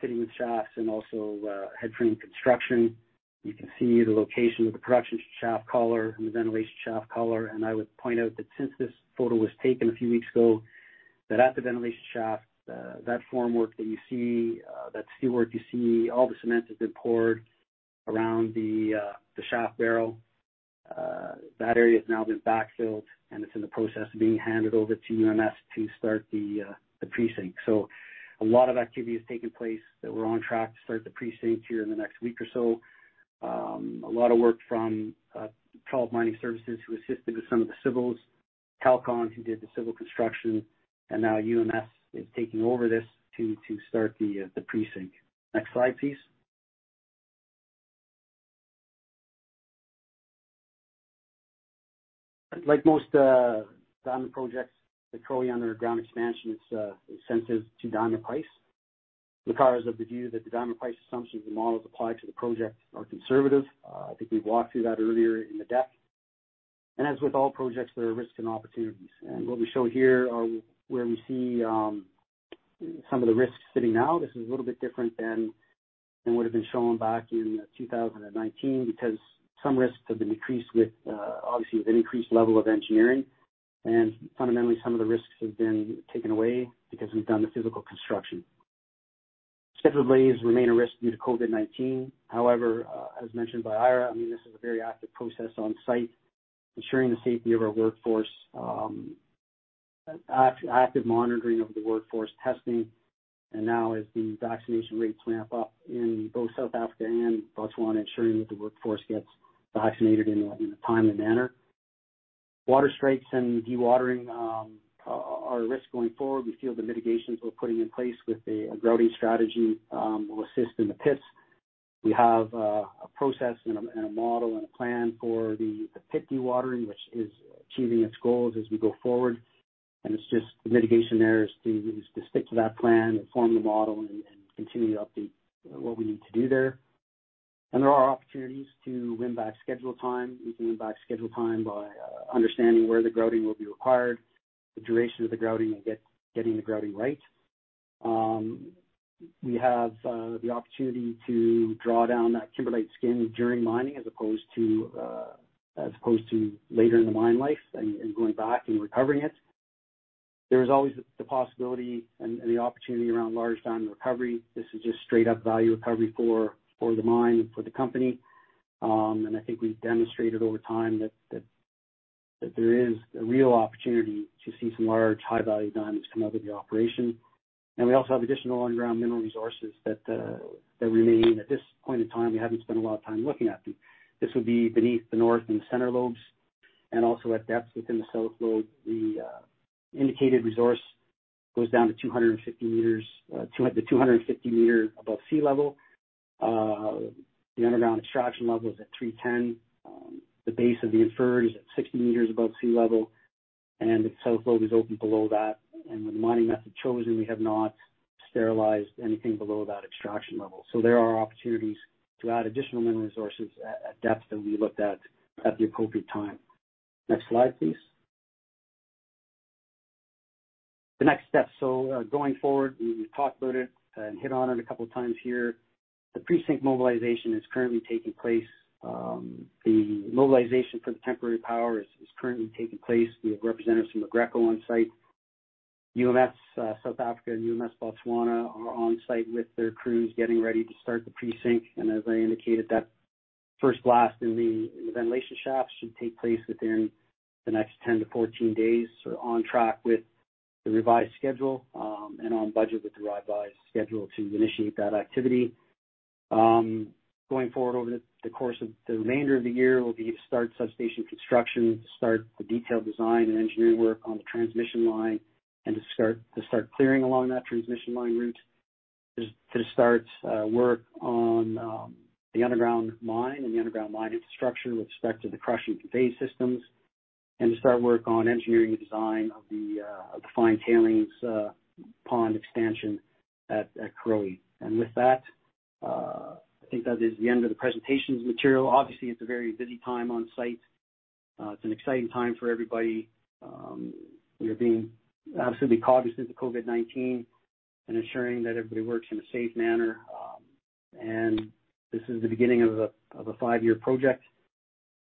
fitting the shafts and also headframe construction. You can see the location of the production shaft collar and the ventilation shaft collar. I would point out that since this photo was taken a few weeks ago, that at the ventilation shaft, that form work that you see, that steel work you see, all the cement has been poured around the shaft barrel. That area has now been backfilled, and it's in the process of being handed over to UMS to start the pre-sink. A lot of activity is taking place that we're on track to start the pre-sink here in the next week or so. A lot of work from 12 Mining Services who assisted with some of the civils, Kalcon who did the civil construction, and now UMS is taking over this to start the pre-sink. Next slide, please. Like most diamond projects, the Karowe Underground Expansion is sensitive to diamond price. Lucara is of the view that the diamond price assumptions the models apply to the project are conservative. I think we've walked through that earlier in the deck. As with all projects, there are risks and opportunities. What we show here are where we see some of the risks sitting now. This is a little bit different than would've been shown back in 2019, because some risks have been decreased obviously with an increased level of engineering. Fundamentally, some of the risks have been taken away because we've done the physical construction. Schedule delays remain a risk due to COVID-19. However, as mentioned by Eira, this is a very active process on site, ensuring the safety of our workforce, active monitoring of the workforce testing, and now as the vaccination rates ramp up in both South Africa and Botswana, ensuring that the workforce gets vaccinated in a timely manner. Water strikes and dewatering are a risk going forward. We feel the mitigations we're putting in place with the grouting strategy will assist in the pits. We have a process and a model and a plan for the pit dewatering, which is achieving its goals as we go forward. It's just the mitigation there is to stick to that plan and form the model and continue to update what we need to do there. There are opportunities to win back schedule time. We can win back schedule time by understanding where the grouting will be required, the duration of the grouting, and getting the grouting right. We have the opportunity to draw down that kimberlite skin during mining as opposed to later in the mine life and going back and recovering it. There is always the possibility and the opportunity around large diamond recovery. This is just straight up value recovery for the mine and for the company. I think we've demonstrated over time that there is a real opportunity to see some large, high-value diamonds come out of the operation. We also have additional underground mineral resources that remain. At this point in time, we haven't spent a lot of time looking at them. This would be beneath the North and Center Lobes and also at depths within the South Lobe. The indicated resource goes down to 250 m above sea level. The underground extraction level is at 310. The base of the inferred is at 66 m above sea level. The South Lobe is open below that. With the mining method chosen, we have not sterilized anything below that extraction level. There are opportunities to add additional mineral resources at depth that we looked at at the appropriate time. Next slide, please. The next steps. Going forward, we've talked about it and hit on it a couple of times here. The pre-sink mobilization is currently taking place. The mobilization for the temporary power is currently taking place. We have representatives from Aggreko on site. UMS South Africa and UMS Botswana are on site with their crews getting ready to start the pre-sink. As I indicated, that first blast in the ventilation shaft should take place within the next 10-14 days. We're on track with the revised schedule, and on budget with the revised schedule to initiate that activity. Going forward over the course of the remainder of the year will be to start substation construction, to start the detailed design and engineering work on the transmission line, and to start clearing along that transmission line route. To start work on the underground mine and the underground mine infrastructure with respect to the crush and convey systems, and to start work on engineering the design of the fine tailings pond expansion at Karowe. With that, I think that is the end of the presentations material. Obviously, it's a very busy time on site. It's an exciting time for everybody. We are being absolutely cautious with the COVID-19 and ensuring that everybody works in a safe manner. This is the beginning of a five-year project,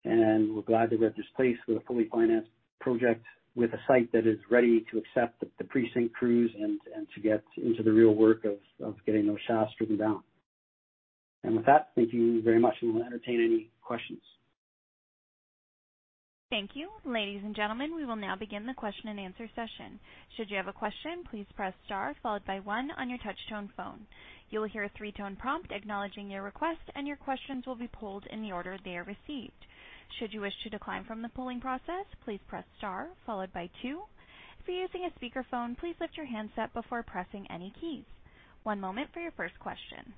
and we're glad that we're at this place with a fully financed project, with a site that is ready to accept the pre-sink crews and to get into the real work of getting those shafts driven down. With that, thank you very much, and we'll entertain any questions. Thank you. Ladies and gentlemen we will now begin the question-and-answer session. Should you have a question, please press star followed by one, on your touch-tone phone. You'll hear a three tone prompt acknowledging your request, and your questions will be polled in the order they are recieved. Should you wish to declined from polling process, please press star followed by two, if you using your speakerphone please lift your hanset before pressing any keys. One momment for your first question.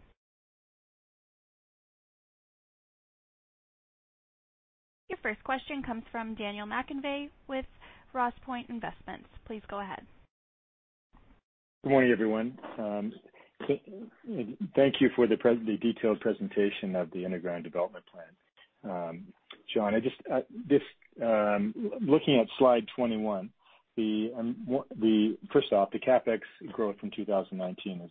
Your first question comes from Daniel McConvey with Rossport Investments. Please go ahead. Good morning, everyone. Thank you for the detailed presentation of the underground development plan. John, looking at slide 21, first off, the CapEx growth from 2019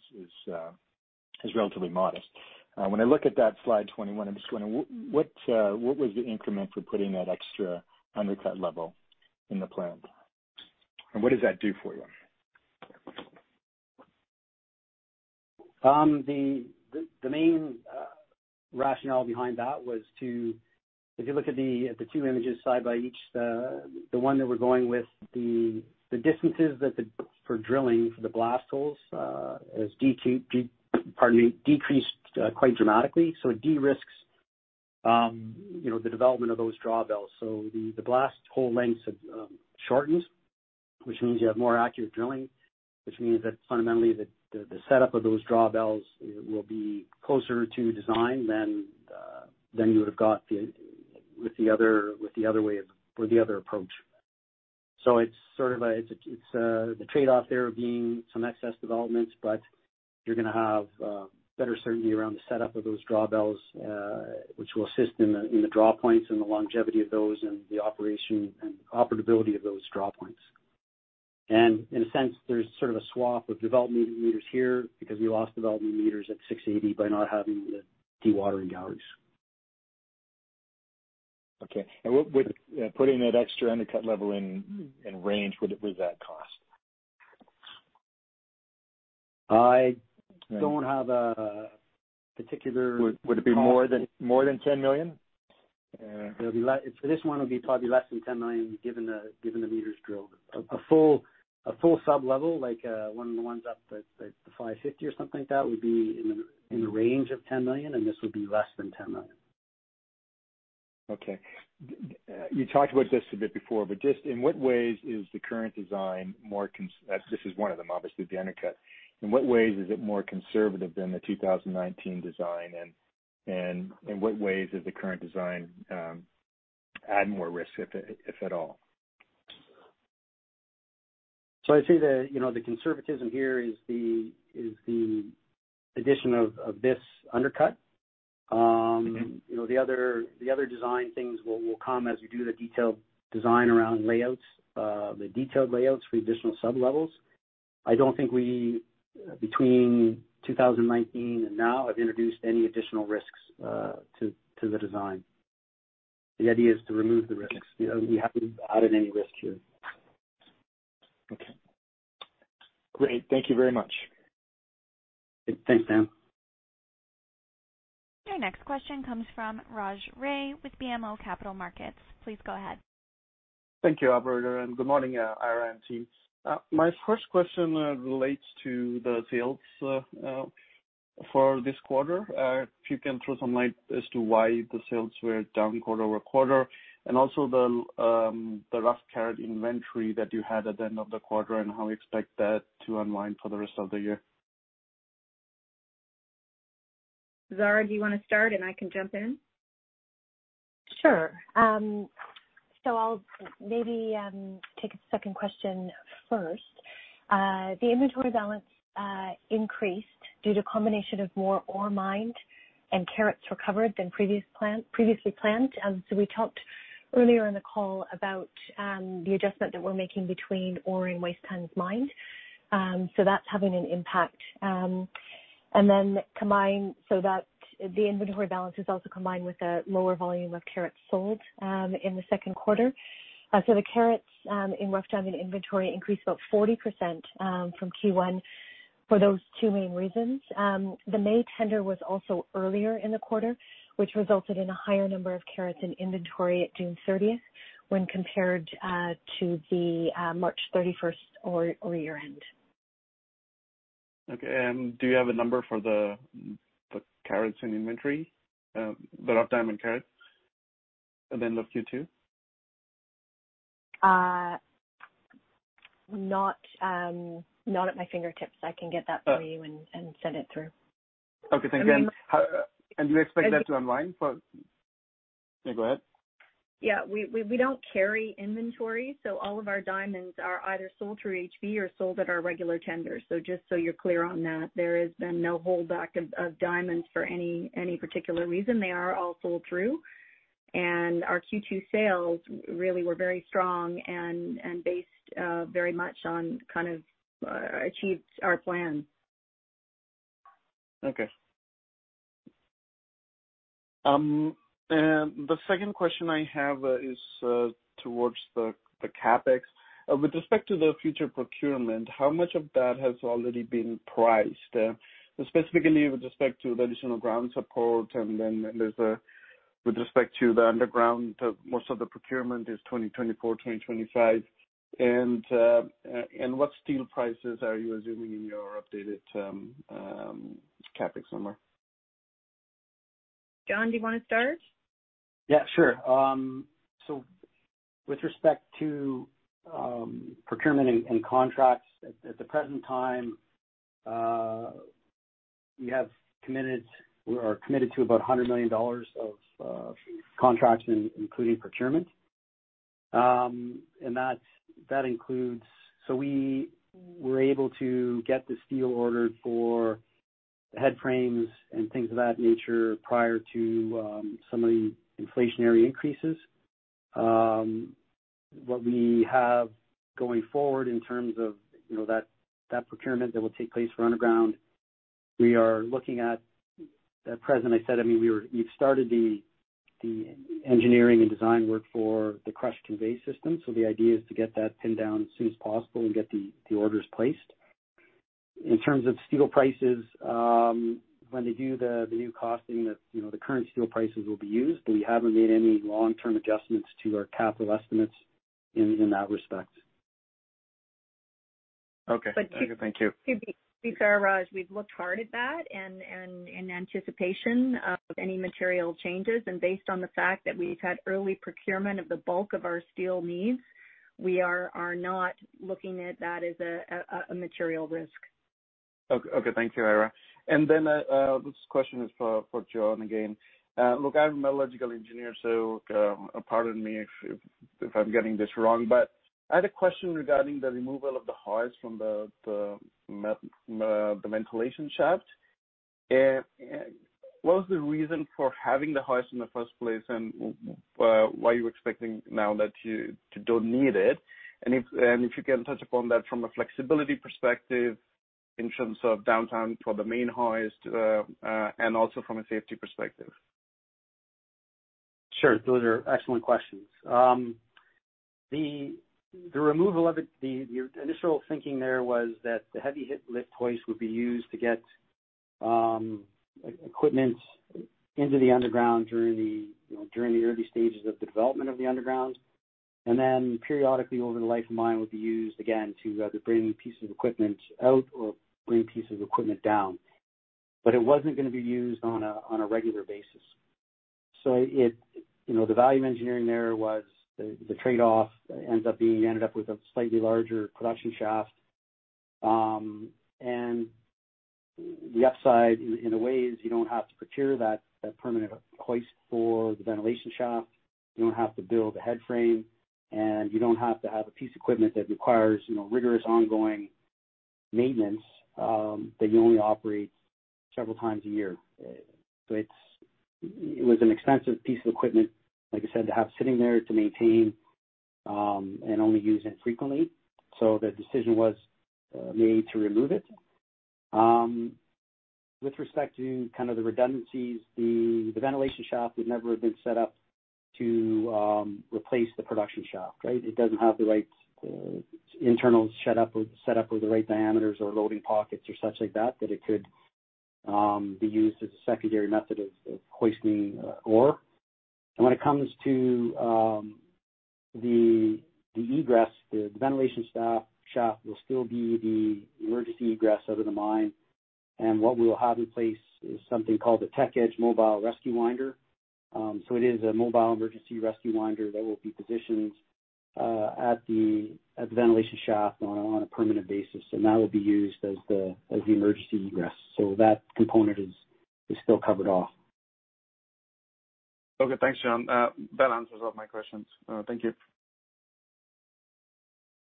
is relatively modest. When I look at that slide 21, I'm just wondering, what was the increment for putting that extra undercut level in the plan? What does that do for you? The main rationale behind that was, if you look at the two images side by each, the one that we're going with, the distances for drilling for the blast holes, pardon me, decreased quite dramatically. It de-risks the development of those drawbells. The blast hole lengths have shortened. Which means you have more accurate drilling, which means that fundamentally, the setup of those drawbells will be closer to design than you would have got with the other approach. It's the trade-off there being some excess developments, but you're going to have better certainty around the setup of those drawbells, which will assist in the drawpoints and the longevity of those and the operation and operability of those drawpoints. In a sense, there's sort of a swap of development meters here because we lost development meters at 680 by not having the dewatering galleries. Okay. With putting that extra undercut level in range, what does that cost? I don't have a particular- Would it be more than $10 million? For this one, it would be probably less than $10 million, given the meters drilled. A full sub-level, like one of the ones up at the 550 or something like that, would be in the range of $10 million, and this would be less than $10 million. Okay. You talked about this a bit before, but just in what ways is the current design. This is one of them, obviously, the undercut. More conservative than the 2019 design, and in what ways does the current design add more risk, if at all? I'd say the conservatism here is the addition of this undercut. The other design things will come as we do the detailed design around layouts, the detailed layouts for the additional sub-levels. I don't think we, between 2019 and now, have introduced any additional risks to the design. The idea is to remove the risks. We haven't added any risk here. Okay. Great. Thank you very much. Thanks, Dan. Your next question comes from Raj Ray with BMO Capital Markets. Please go ahead. Thank you, operator, and good morning, Eira and team. My first question relates to the sales for this quarter. If you can throw some light as to why the sales were down quarter-over-quarter, and also the rough carat inventory that you had at the end of the quarter and how you expect that to unwind for the rest of the year. Zara, do you want to start and I can jump in? Sure. I'll maybe take the second question first. The inventory balance increased due to combination of more ore mined and carats recovered than previously planned. We talked earlier in the call about the adjustment that we're making between ore and waste tonnes mined. That's having an impact. That the inventory balance is also combined with a lower volume of carats sold in the second quarter. The carats in rough diamond inventory increased about 40% from Q1 for those two main reasons. The May tender was also earlier in the quarter, which resulted in a higher number of carats in inventory at June 30th when compared to the March 31st or year-end. Okay. Do you have a number for the carats in inventory? The rough diamond carats at the end of Q2? Not at my fingertips. I can get that for you and send it through. Okay. Thank you. Do you expect that to unwind? Yeah, go ahead. Yeah. We don't carry inventory, so all of our diamonds are either sold through HB or sold at our regular tenders. Just so you're clear on that, there has been no holdback of diamonds for any particular reason. They are all sold through, and our Q2 sales really were very strong and based very much on, kind of, achieved our plan. Okay. The second question I have is towards the CapEx. With respect to the future procurement, how much of that has already been priced? Specifically with respect to the additional ground support with respect to the underground, most of the procurement is 2024, 2025. What steel prices are you assuming in your updated CapEx number? John, do you want to start? Yeah, sure. With respect to procurement and contracts, at the present time, we are committed to about $100 million of contracts including procurement. We were able to get the steel ordered for the head frames and things of that nature prior to some of the inflationary increases. What we have going forward in terms of that procurement that will take place for underground, we are looking at present, I said, we've started the engineering and design work for the crush convey system. The idea is to get that pinned down as soon as possible and get the orders placed. In terms of steel prices, when they do the new costing, the current steel prices will be used, we haven't made any long-term adjustments to our capital estimates in that respect. Okay. Thank you. To be fair, Raj, we've looked hard at that in anticipation of any material changes, and based on the fact that we've had early procurement of the bulk of our steel needs, we are not looking at that as a material risk. Thank you, Eira. This question is for John again. I'm a metallurgical engineer, so pardon me if I'm getting this wrong, but I had a question regarding the removal of the hoist from the ventilation shaft. What was the reason for having the hoist in the first place, and why are you expecting now that you don't need it? If you can touch upon that from a flexibility perspective in terms of downtime for the main hoist, and also from a safety perspective. Sure. Those are excellent questions. The removal of it, the initial thinking there was that the heavy lift hoist would be used to get equipment into the underground during the early stages of the development of the underground, and then periodically over the life of the mine would be used again to either bring pieces of equipment out or bring pieces of equipment down. It wasn't going to be used on a regular basis. The value engineering there was the trade-off. Ended up with a slightly larger production shaft. The upside, in a way, is you don't have to procure that permanent hoist for the ventilation shaft. You don't have to build a head frame, and you don't have to have a piece of equipment that requires rigorous ongoing maintenance that you only operate several times a year. It was an expensive piece of equipment, like I said, to have sitting there to maintain, and only use infrequently. The decision was made to remove it. With respect to the redundancies, the ventilation shaft would never have been set up to replace the production shaft. It doesn't have the right internal set up with the right diameters or loading pockets or such like that it could be used as a secondary method of hoisting ore. When it comes to the egress, the ventilation shaft will still be the emergency egress out of the mine, and what we'll have in place is something called the TechEdge Mobile Rescue Winder. It is a mobile emergency rescue winder that will be positioned at the ventilation shaft on a permanent basis. That will be used as the emergency egress. That component is still covered off. Okay, thanks, John. That answers all my questions. Thank you.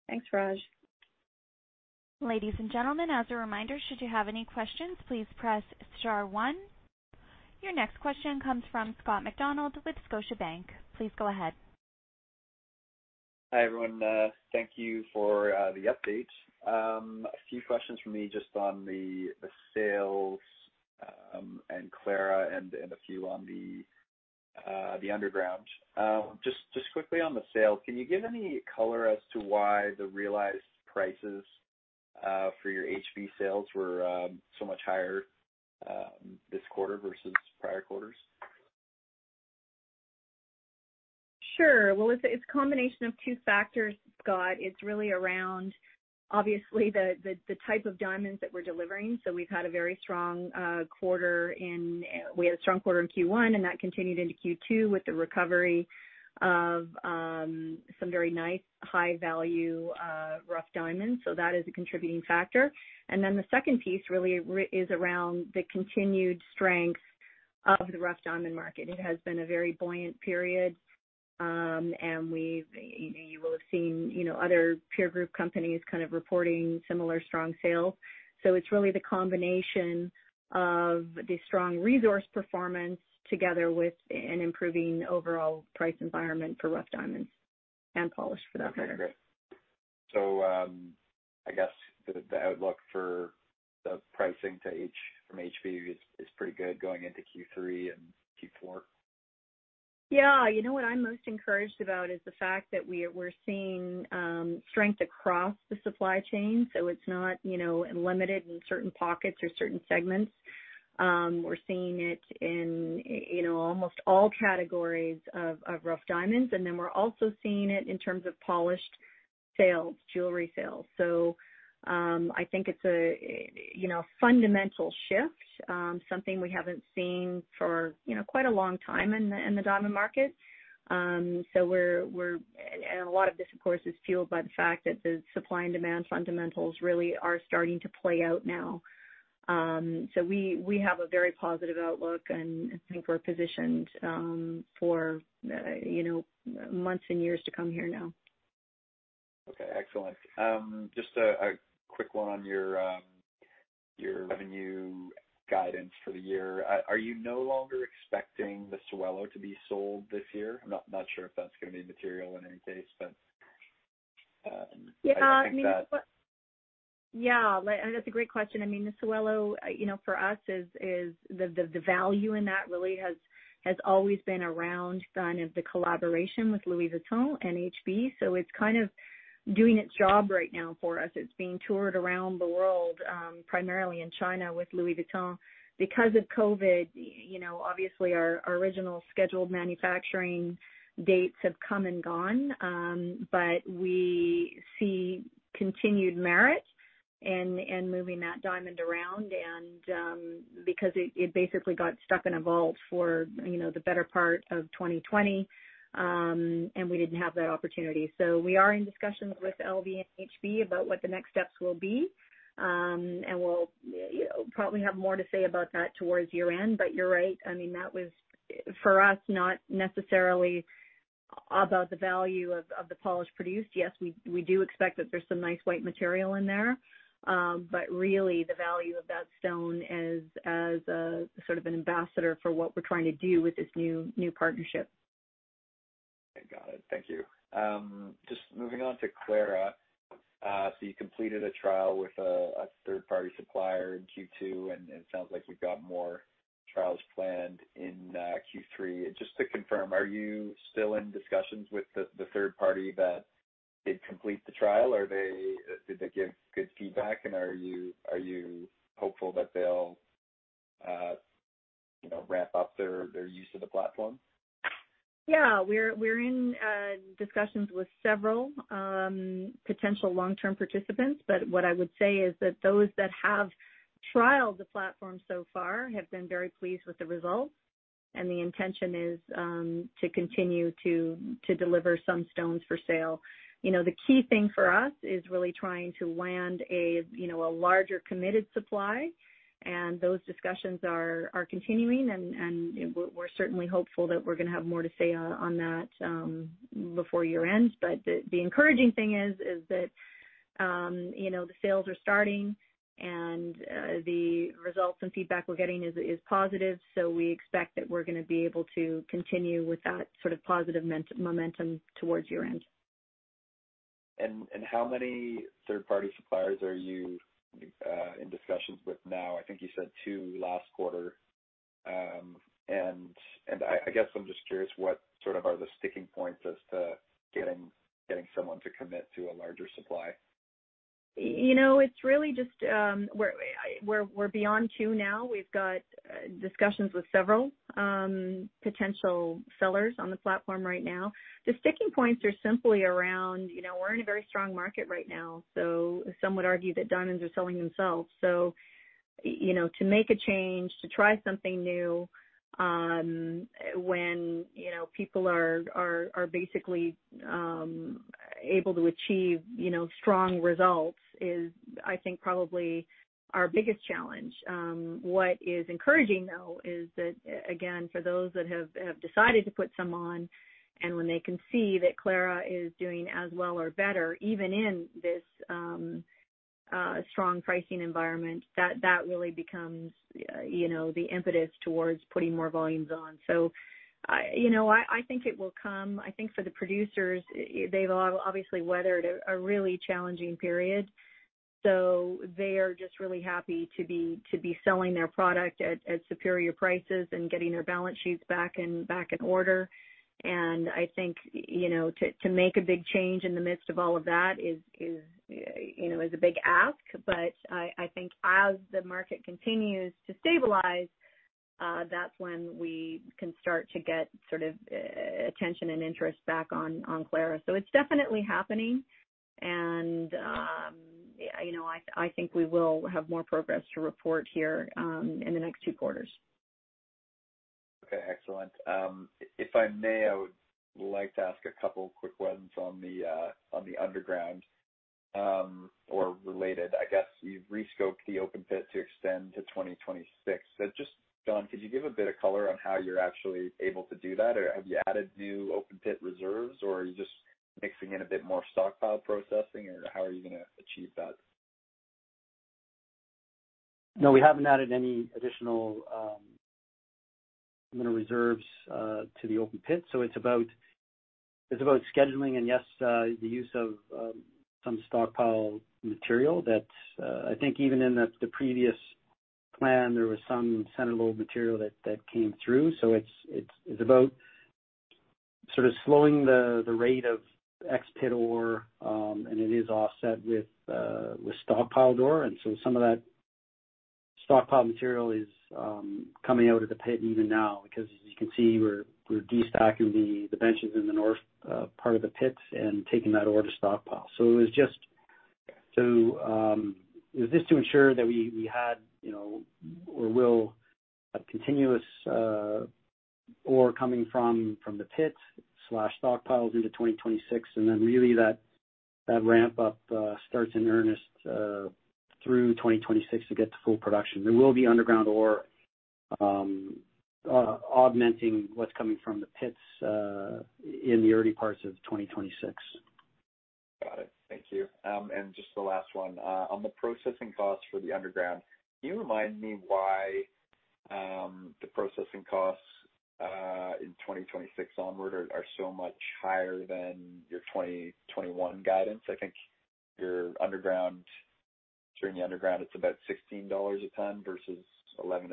Thanks, Raj. Ladies and gentlemen, as a reminder, should you have any questions, please press star one. Your next question comes from Scott Macdonald with Scotiabank. Please go ahead. Hi, everyone. Thank you for the update. A few questions from me just on the sales and Clara and a few on the underground. Just quickly on the sales, can you give any color as to why the realized prices for your HB sales were so much higher this quarter versus prior quarters? Sure. Well, it's a combination of two factors, Scott. It's really around, obviously, the type of diamonds that we're delivering. We've had a very strong quarter in Q1, and that continued into Q2 with the recovery of some very nice high-value rough diamonds. That is a contributing factor. The second piece really is around the continued strength of the rough diamond market. It has been a very buoyant period. You will have seen other peer group companies kind of reporting similar strong sales. It's really the combination of the strong resource performance together with an improving overall price environment for rough diamonds and polish for that matter. Okay, great. I guess the outlook for the pricing from HB is pretty good going into Q3 and Q4? Yeah. What I'm most encouraged about is the fact that we're seeing strength across the supply chain. It's not limited in certain pockets or certain segments. We're seeing it in almost all categories of rough diamonds, and then we're also seeing it in terms of polished sales, jewelry sales. I think it's a fundamental shift, something we haven't seen for quite a long time in the diamond market. A lot of this, of course, is fueled by the fact that the supply and demand fundamentals really are starting to play out now. We have a very positive outlook, and I think we're positioned for months and years to come here now. Okay, excellent. Just a quick one on your revenue guidance for the year. Are you no longer expecting the Sewelô to be sold this year? I'm not sure if that's going to be material in any case, but I think that. Yeah. That's a great question. The Sewelô, for us, the value in that really has always been around kind of the collaboration with Louis Vuitton and HB. It's kind of doing its job right now for us. It's being toured around the world. Primarily in China with Louis Vuitton. Because of COVID, obviously our original scheduled manufacturing dates have come and gone, but we see continued merit in moving that diamond around and because it basically got stuck in a vault for the better part of 2020, and we didn't have that opportunity. We are in discussions with LV and HB about what the next steps will be, and we'll probably have more to say about that towards year-end. You're right, that was, for us, not necessarily about the value of the polish produced. Yes, we do expect that there's some nice white material in there. Really, the value of that stone as a sort of an ambassador for what we're trying to do with this new partnership. I got it. Thank you. Just moving on to Clara. You completed a trial with a third-party supplier in Q2, and it sounds like you've got more trials planned in Q3. Just to confirm, are you still in discussions with the third party that did complete the trial? Did they give good feedback, and are you hopeful that they'll ramp up their use of the platform? Yeah. We're in discussions with several potential long-term participants, but what I would say is that those that have trialed the platform so far have been very pleased with the results, and the intention is to continue to deliver some stones for sale. The key thing for us is really trying to land a larger committed supply, and those discussions are continuing. We're certainly hopeful that we're going to have more to say on that before year-end. The encouraging thing is that the sales are starting, and the results and feedback we're getting is positive. We expect that we're going to be able to continue with that sort of positive momentum towards year-end. How many third-party suppliers are you in discussions with now? I think you said two last quarter. I guess I'm just curious, what are the sticking points as to getting someone to commit to a larger supply? It's really just we're beyond two now. We've got discussions with several potential sellers on the platform right now. The sticking points are simply around, we're in a very strong market right now, so some would argue that diamonds are selling themselves. To make a change, to try something new, when people are basically able to achieve strong results is, I think, probably our biggest challenge. What is encouraging, though, is that, again, for those that have decided to put some on and when they can see that Clara is doing as well or better, even in this strong pricing environment, that really becomes the impetus towards putting more volumes on. I think it will come. I think for the producers, they've obviously weathered a really challenging period, so they are just really happy to be selling their product at superior prices and getting their balance sheets back in order. I think to make a big change in the midst of all of that is a big ask, but I think as the market continues to stabilize, that's when we can start to get sort of attention and interest back on Clara. It's definitely happening, and I think we will have more progress to report here in the next two quarters. Okay. Excellent. If I may, I would like to ask a couple of quick ones on the underground or related, I guess. You've rescoped the open pit to extend to 2026. Just, John, could you give a bit of color on how you're actually able to do that? Or have you added new open pit reserves, or are you just mixing in a bit more stockpile processing, or how are you going to achieve that? We haven't added any additional mineral reserves to the open pit. It's about scheduling and, yes, the use of some stockpile material that I think even in the previous plan, there was some Center Lobe material that came through. It's about sort of slowing the rate of ex-pit ore, and it is offset with stockpile ore. Some of that stockpile material is coming out of the pit even now, because, as you can see, we're de-stocking the benches in the north part of the pits and taking that ore to stockpile. It was just to ensure that we had or will have continuous ore coming from the pits/stockpiles into 2026, and then really that ramp-up starts in earnest through 2026 to get to full production. There will be underground ore augmenting what's coming from the pits in the early parts of 2026. Got it. Thank you. Just the last one. On the processing costs for the underground, can you remind me why the processing costs in 2026 onward are so much higher than your 2021 guidance? I think during the underground, it's about $16 a ton versus $11-$12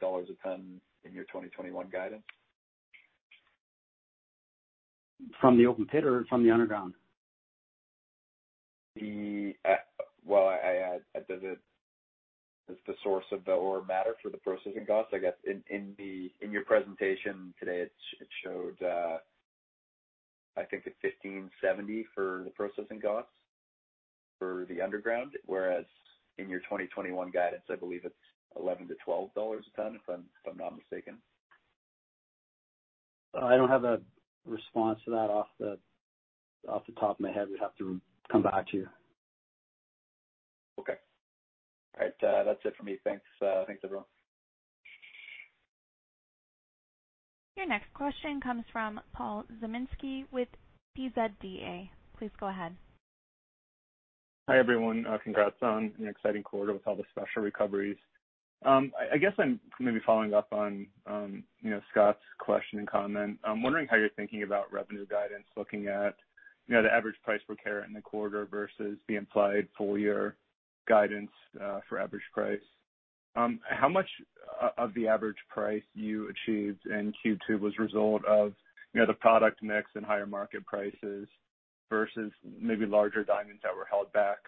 a ton in your 2021 guidance. From the open pit or from the underground? Well, does the source of the ore matter for the processing costs? I guess in your presentation today, it showed, I think it's $1,570 for the processing costs for the underground, whereas in your 2021 guidance, I believe it's $11-$12 a ton, if I'm not mistaken. I don't have a response to that off the top of my head. We'd have to come back to you. Okay. All right. That's it for me. Thanks, everyone. Your next question comes from Paul Zimnisky with PZDA. Please go ahead. Hi, everyone. Congrats on an exciting quarter with all the special recoveries. I guess I'm maybe following up on Scott's question and comment. I'm wondering how you're thinking about revenue guidance, looking at the average price per carat in the quarter versus the implied full-year guidance for average price. How much of the average price you achieved in Q2 was a result of the product mix and higher market prices versus maybe larger diamonds that were held back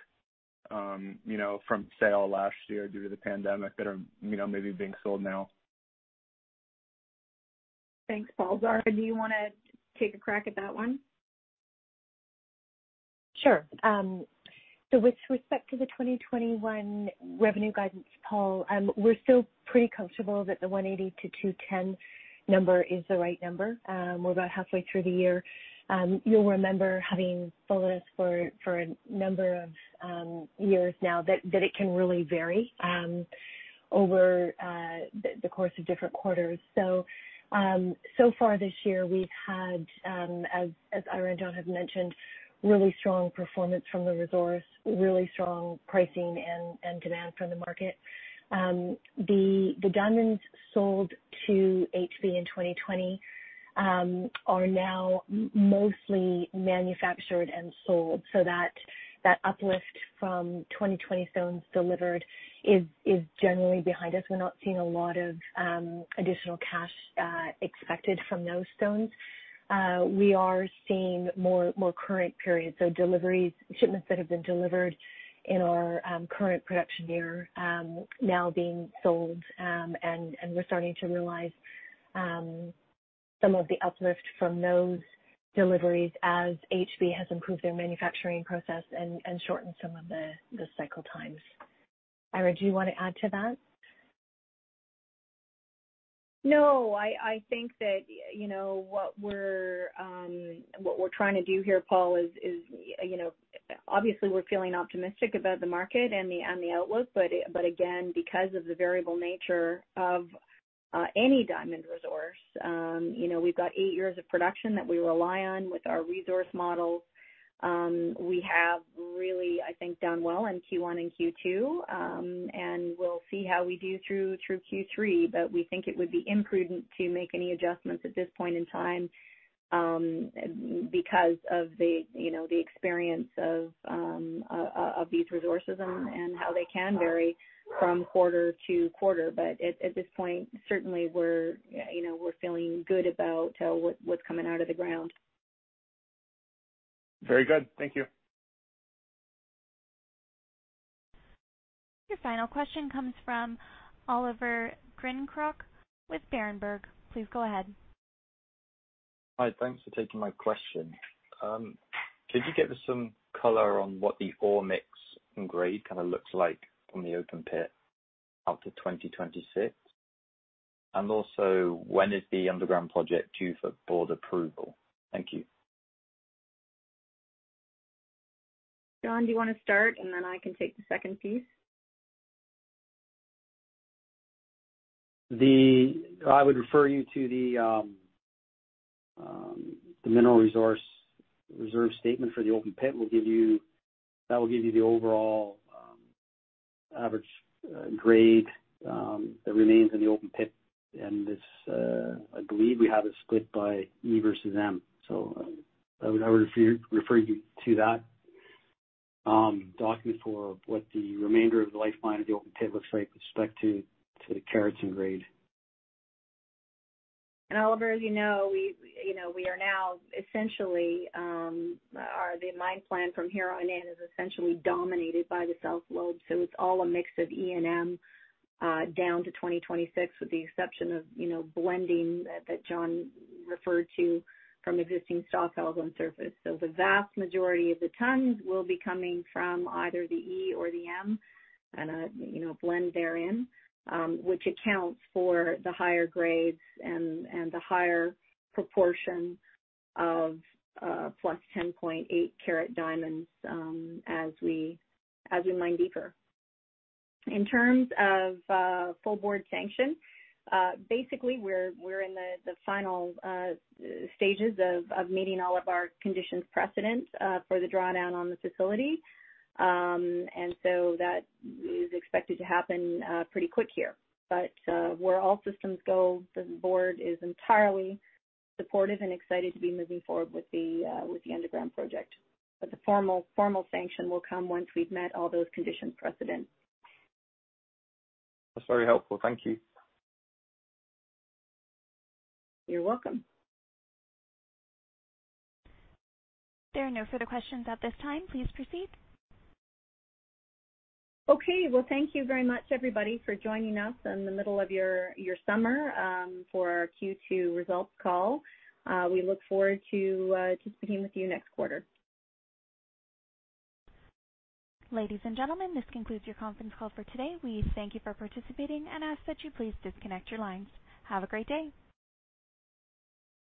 from sale last year due to the pandemic that are maybe being sold now? Thanks, Paul. Zara, do you want to take a crack at that one? Sure. With respect to the 2021 revenue guidance, Paul, we're still pretty comfortable that the $180-$210 number is the right number. We're about halfway through the year. You'll remember having followed us for a number of years now that it can really vary over the course of different quarters. Far this year, we've had, as Eira and John have mentioned, really strong performance from the resource, really strong pricing and demand from the market. The diamonds sold to HB in 2020 are now mostly manufactured and sold. That uplift from 2020 stones delivered is generally behind us. We're not seeing a lot of additional cash expected from those stones. We are seeing more current periods. Shipments that have been delivered in our current production year now being sold, and we're starting to realize some of the uplift from those deliveries as HB has improved their manufacturing process and shortened some of the cycle times. Eira, do you want to add to that? No, I think that what we're trying to do here, Paul, is obviously we're feeling optimistic about the market and the outlook, but again, because of the variable nature of any diamond resource, we've got eight years of production that we rely on with our resource models. We have really, I think, done well in Q1 and Q2, and we'll see how we do through Q3, but we think it would be imprudent to make any adjustments at this point in time because of the experience of these resources and how they can vary from quarter-to-quarter. At this point, certainly we're feeling good about what's coming out of the ground. Very good. Thank you. Your final question comes from Oliver Grewcock with Berenberg. Please go ahead. Hi, thanks for taking my question. Could you give us some color on what the ore mix and grade kind of looks like from the open pit out to 2026? Also, when is the underground project due for board approval? Thank you. John, do you want to start, and then I can take the second piece? I would refer you to the mineral reserve statement for the open pit. That will give you the overall average grade that remains in the open pit. I believe we have it split by E versus M. I would refer you to that document for what the remainder of the life mine of the open pit looks like with respect to carats and grade. Oliver, as you know, we are now essentially, the mine plan from here on in is essentially dominated by the South Lobe. So it's all a mix of E and M down to 2026, with the exception of blending that John referred to from existing stockpiles on surface. So the vast majority of the tons will be coming from either the E or the M, and a blend therein, which accounts for the higher grades and the higher proportion of +10.8 carat diamonds as we mine deeper. In terms of full board sanction, basically we're in the final stages of meeting all of our conditions precedent for the drawdown on the facility. So that is expected to happen pretty quick here. Where all systems go, the board is entirely supportive and excited to be moving forward with the underground project. The formal sanction will come once we've met all those conditions precedent. That's very helpful. Thank you. You're welcome. There are no further questions at this time. Please proceed. Okay. Well, thank you very much, everybody, for joining us in the middle of your summer for our Q2 results call. We look forward to speaking with you next quarter. Ladies and gentlemen, this concludes your conference call for today. We thank you for participating and ask that you please disconnect your lines. Have a great day.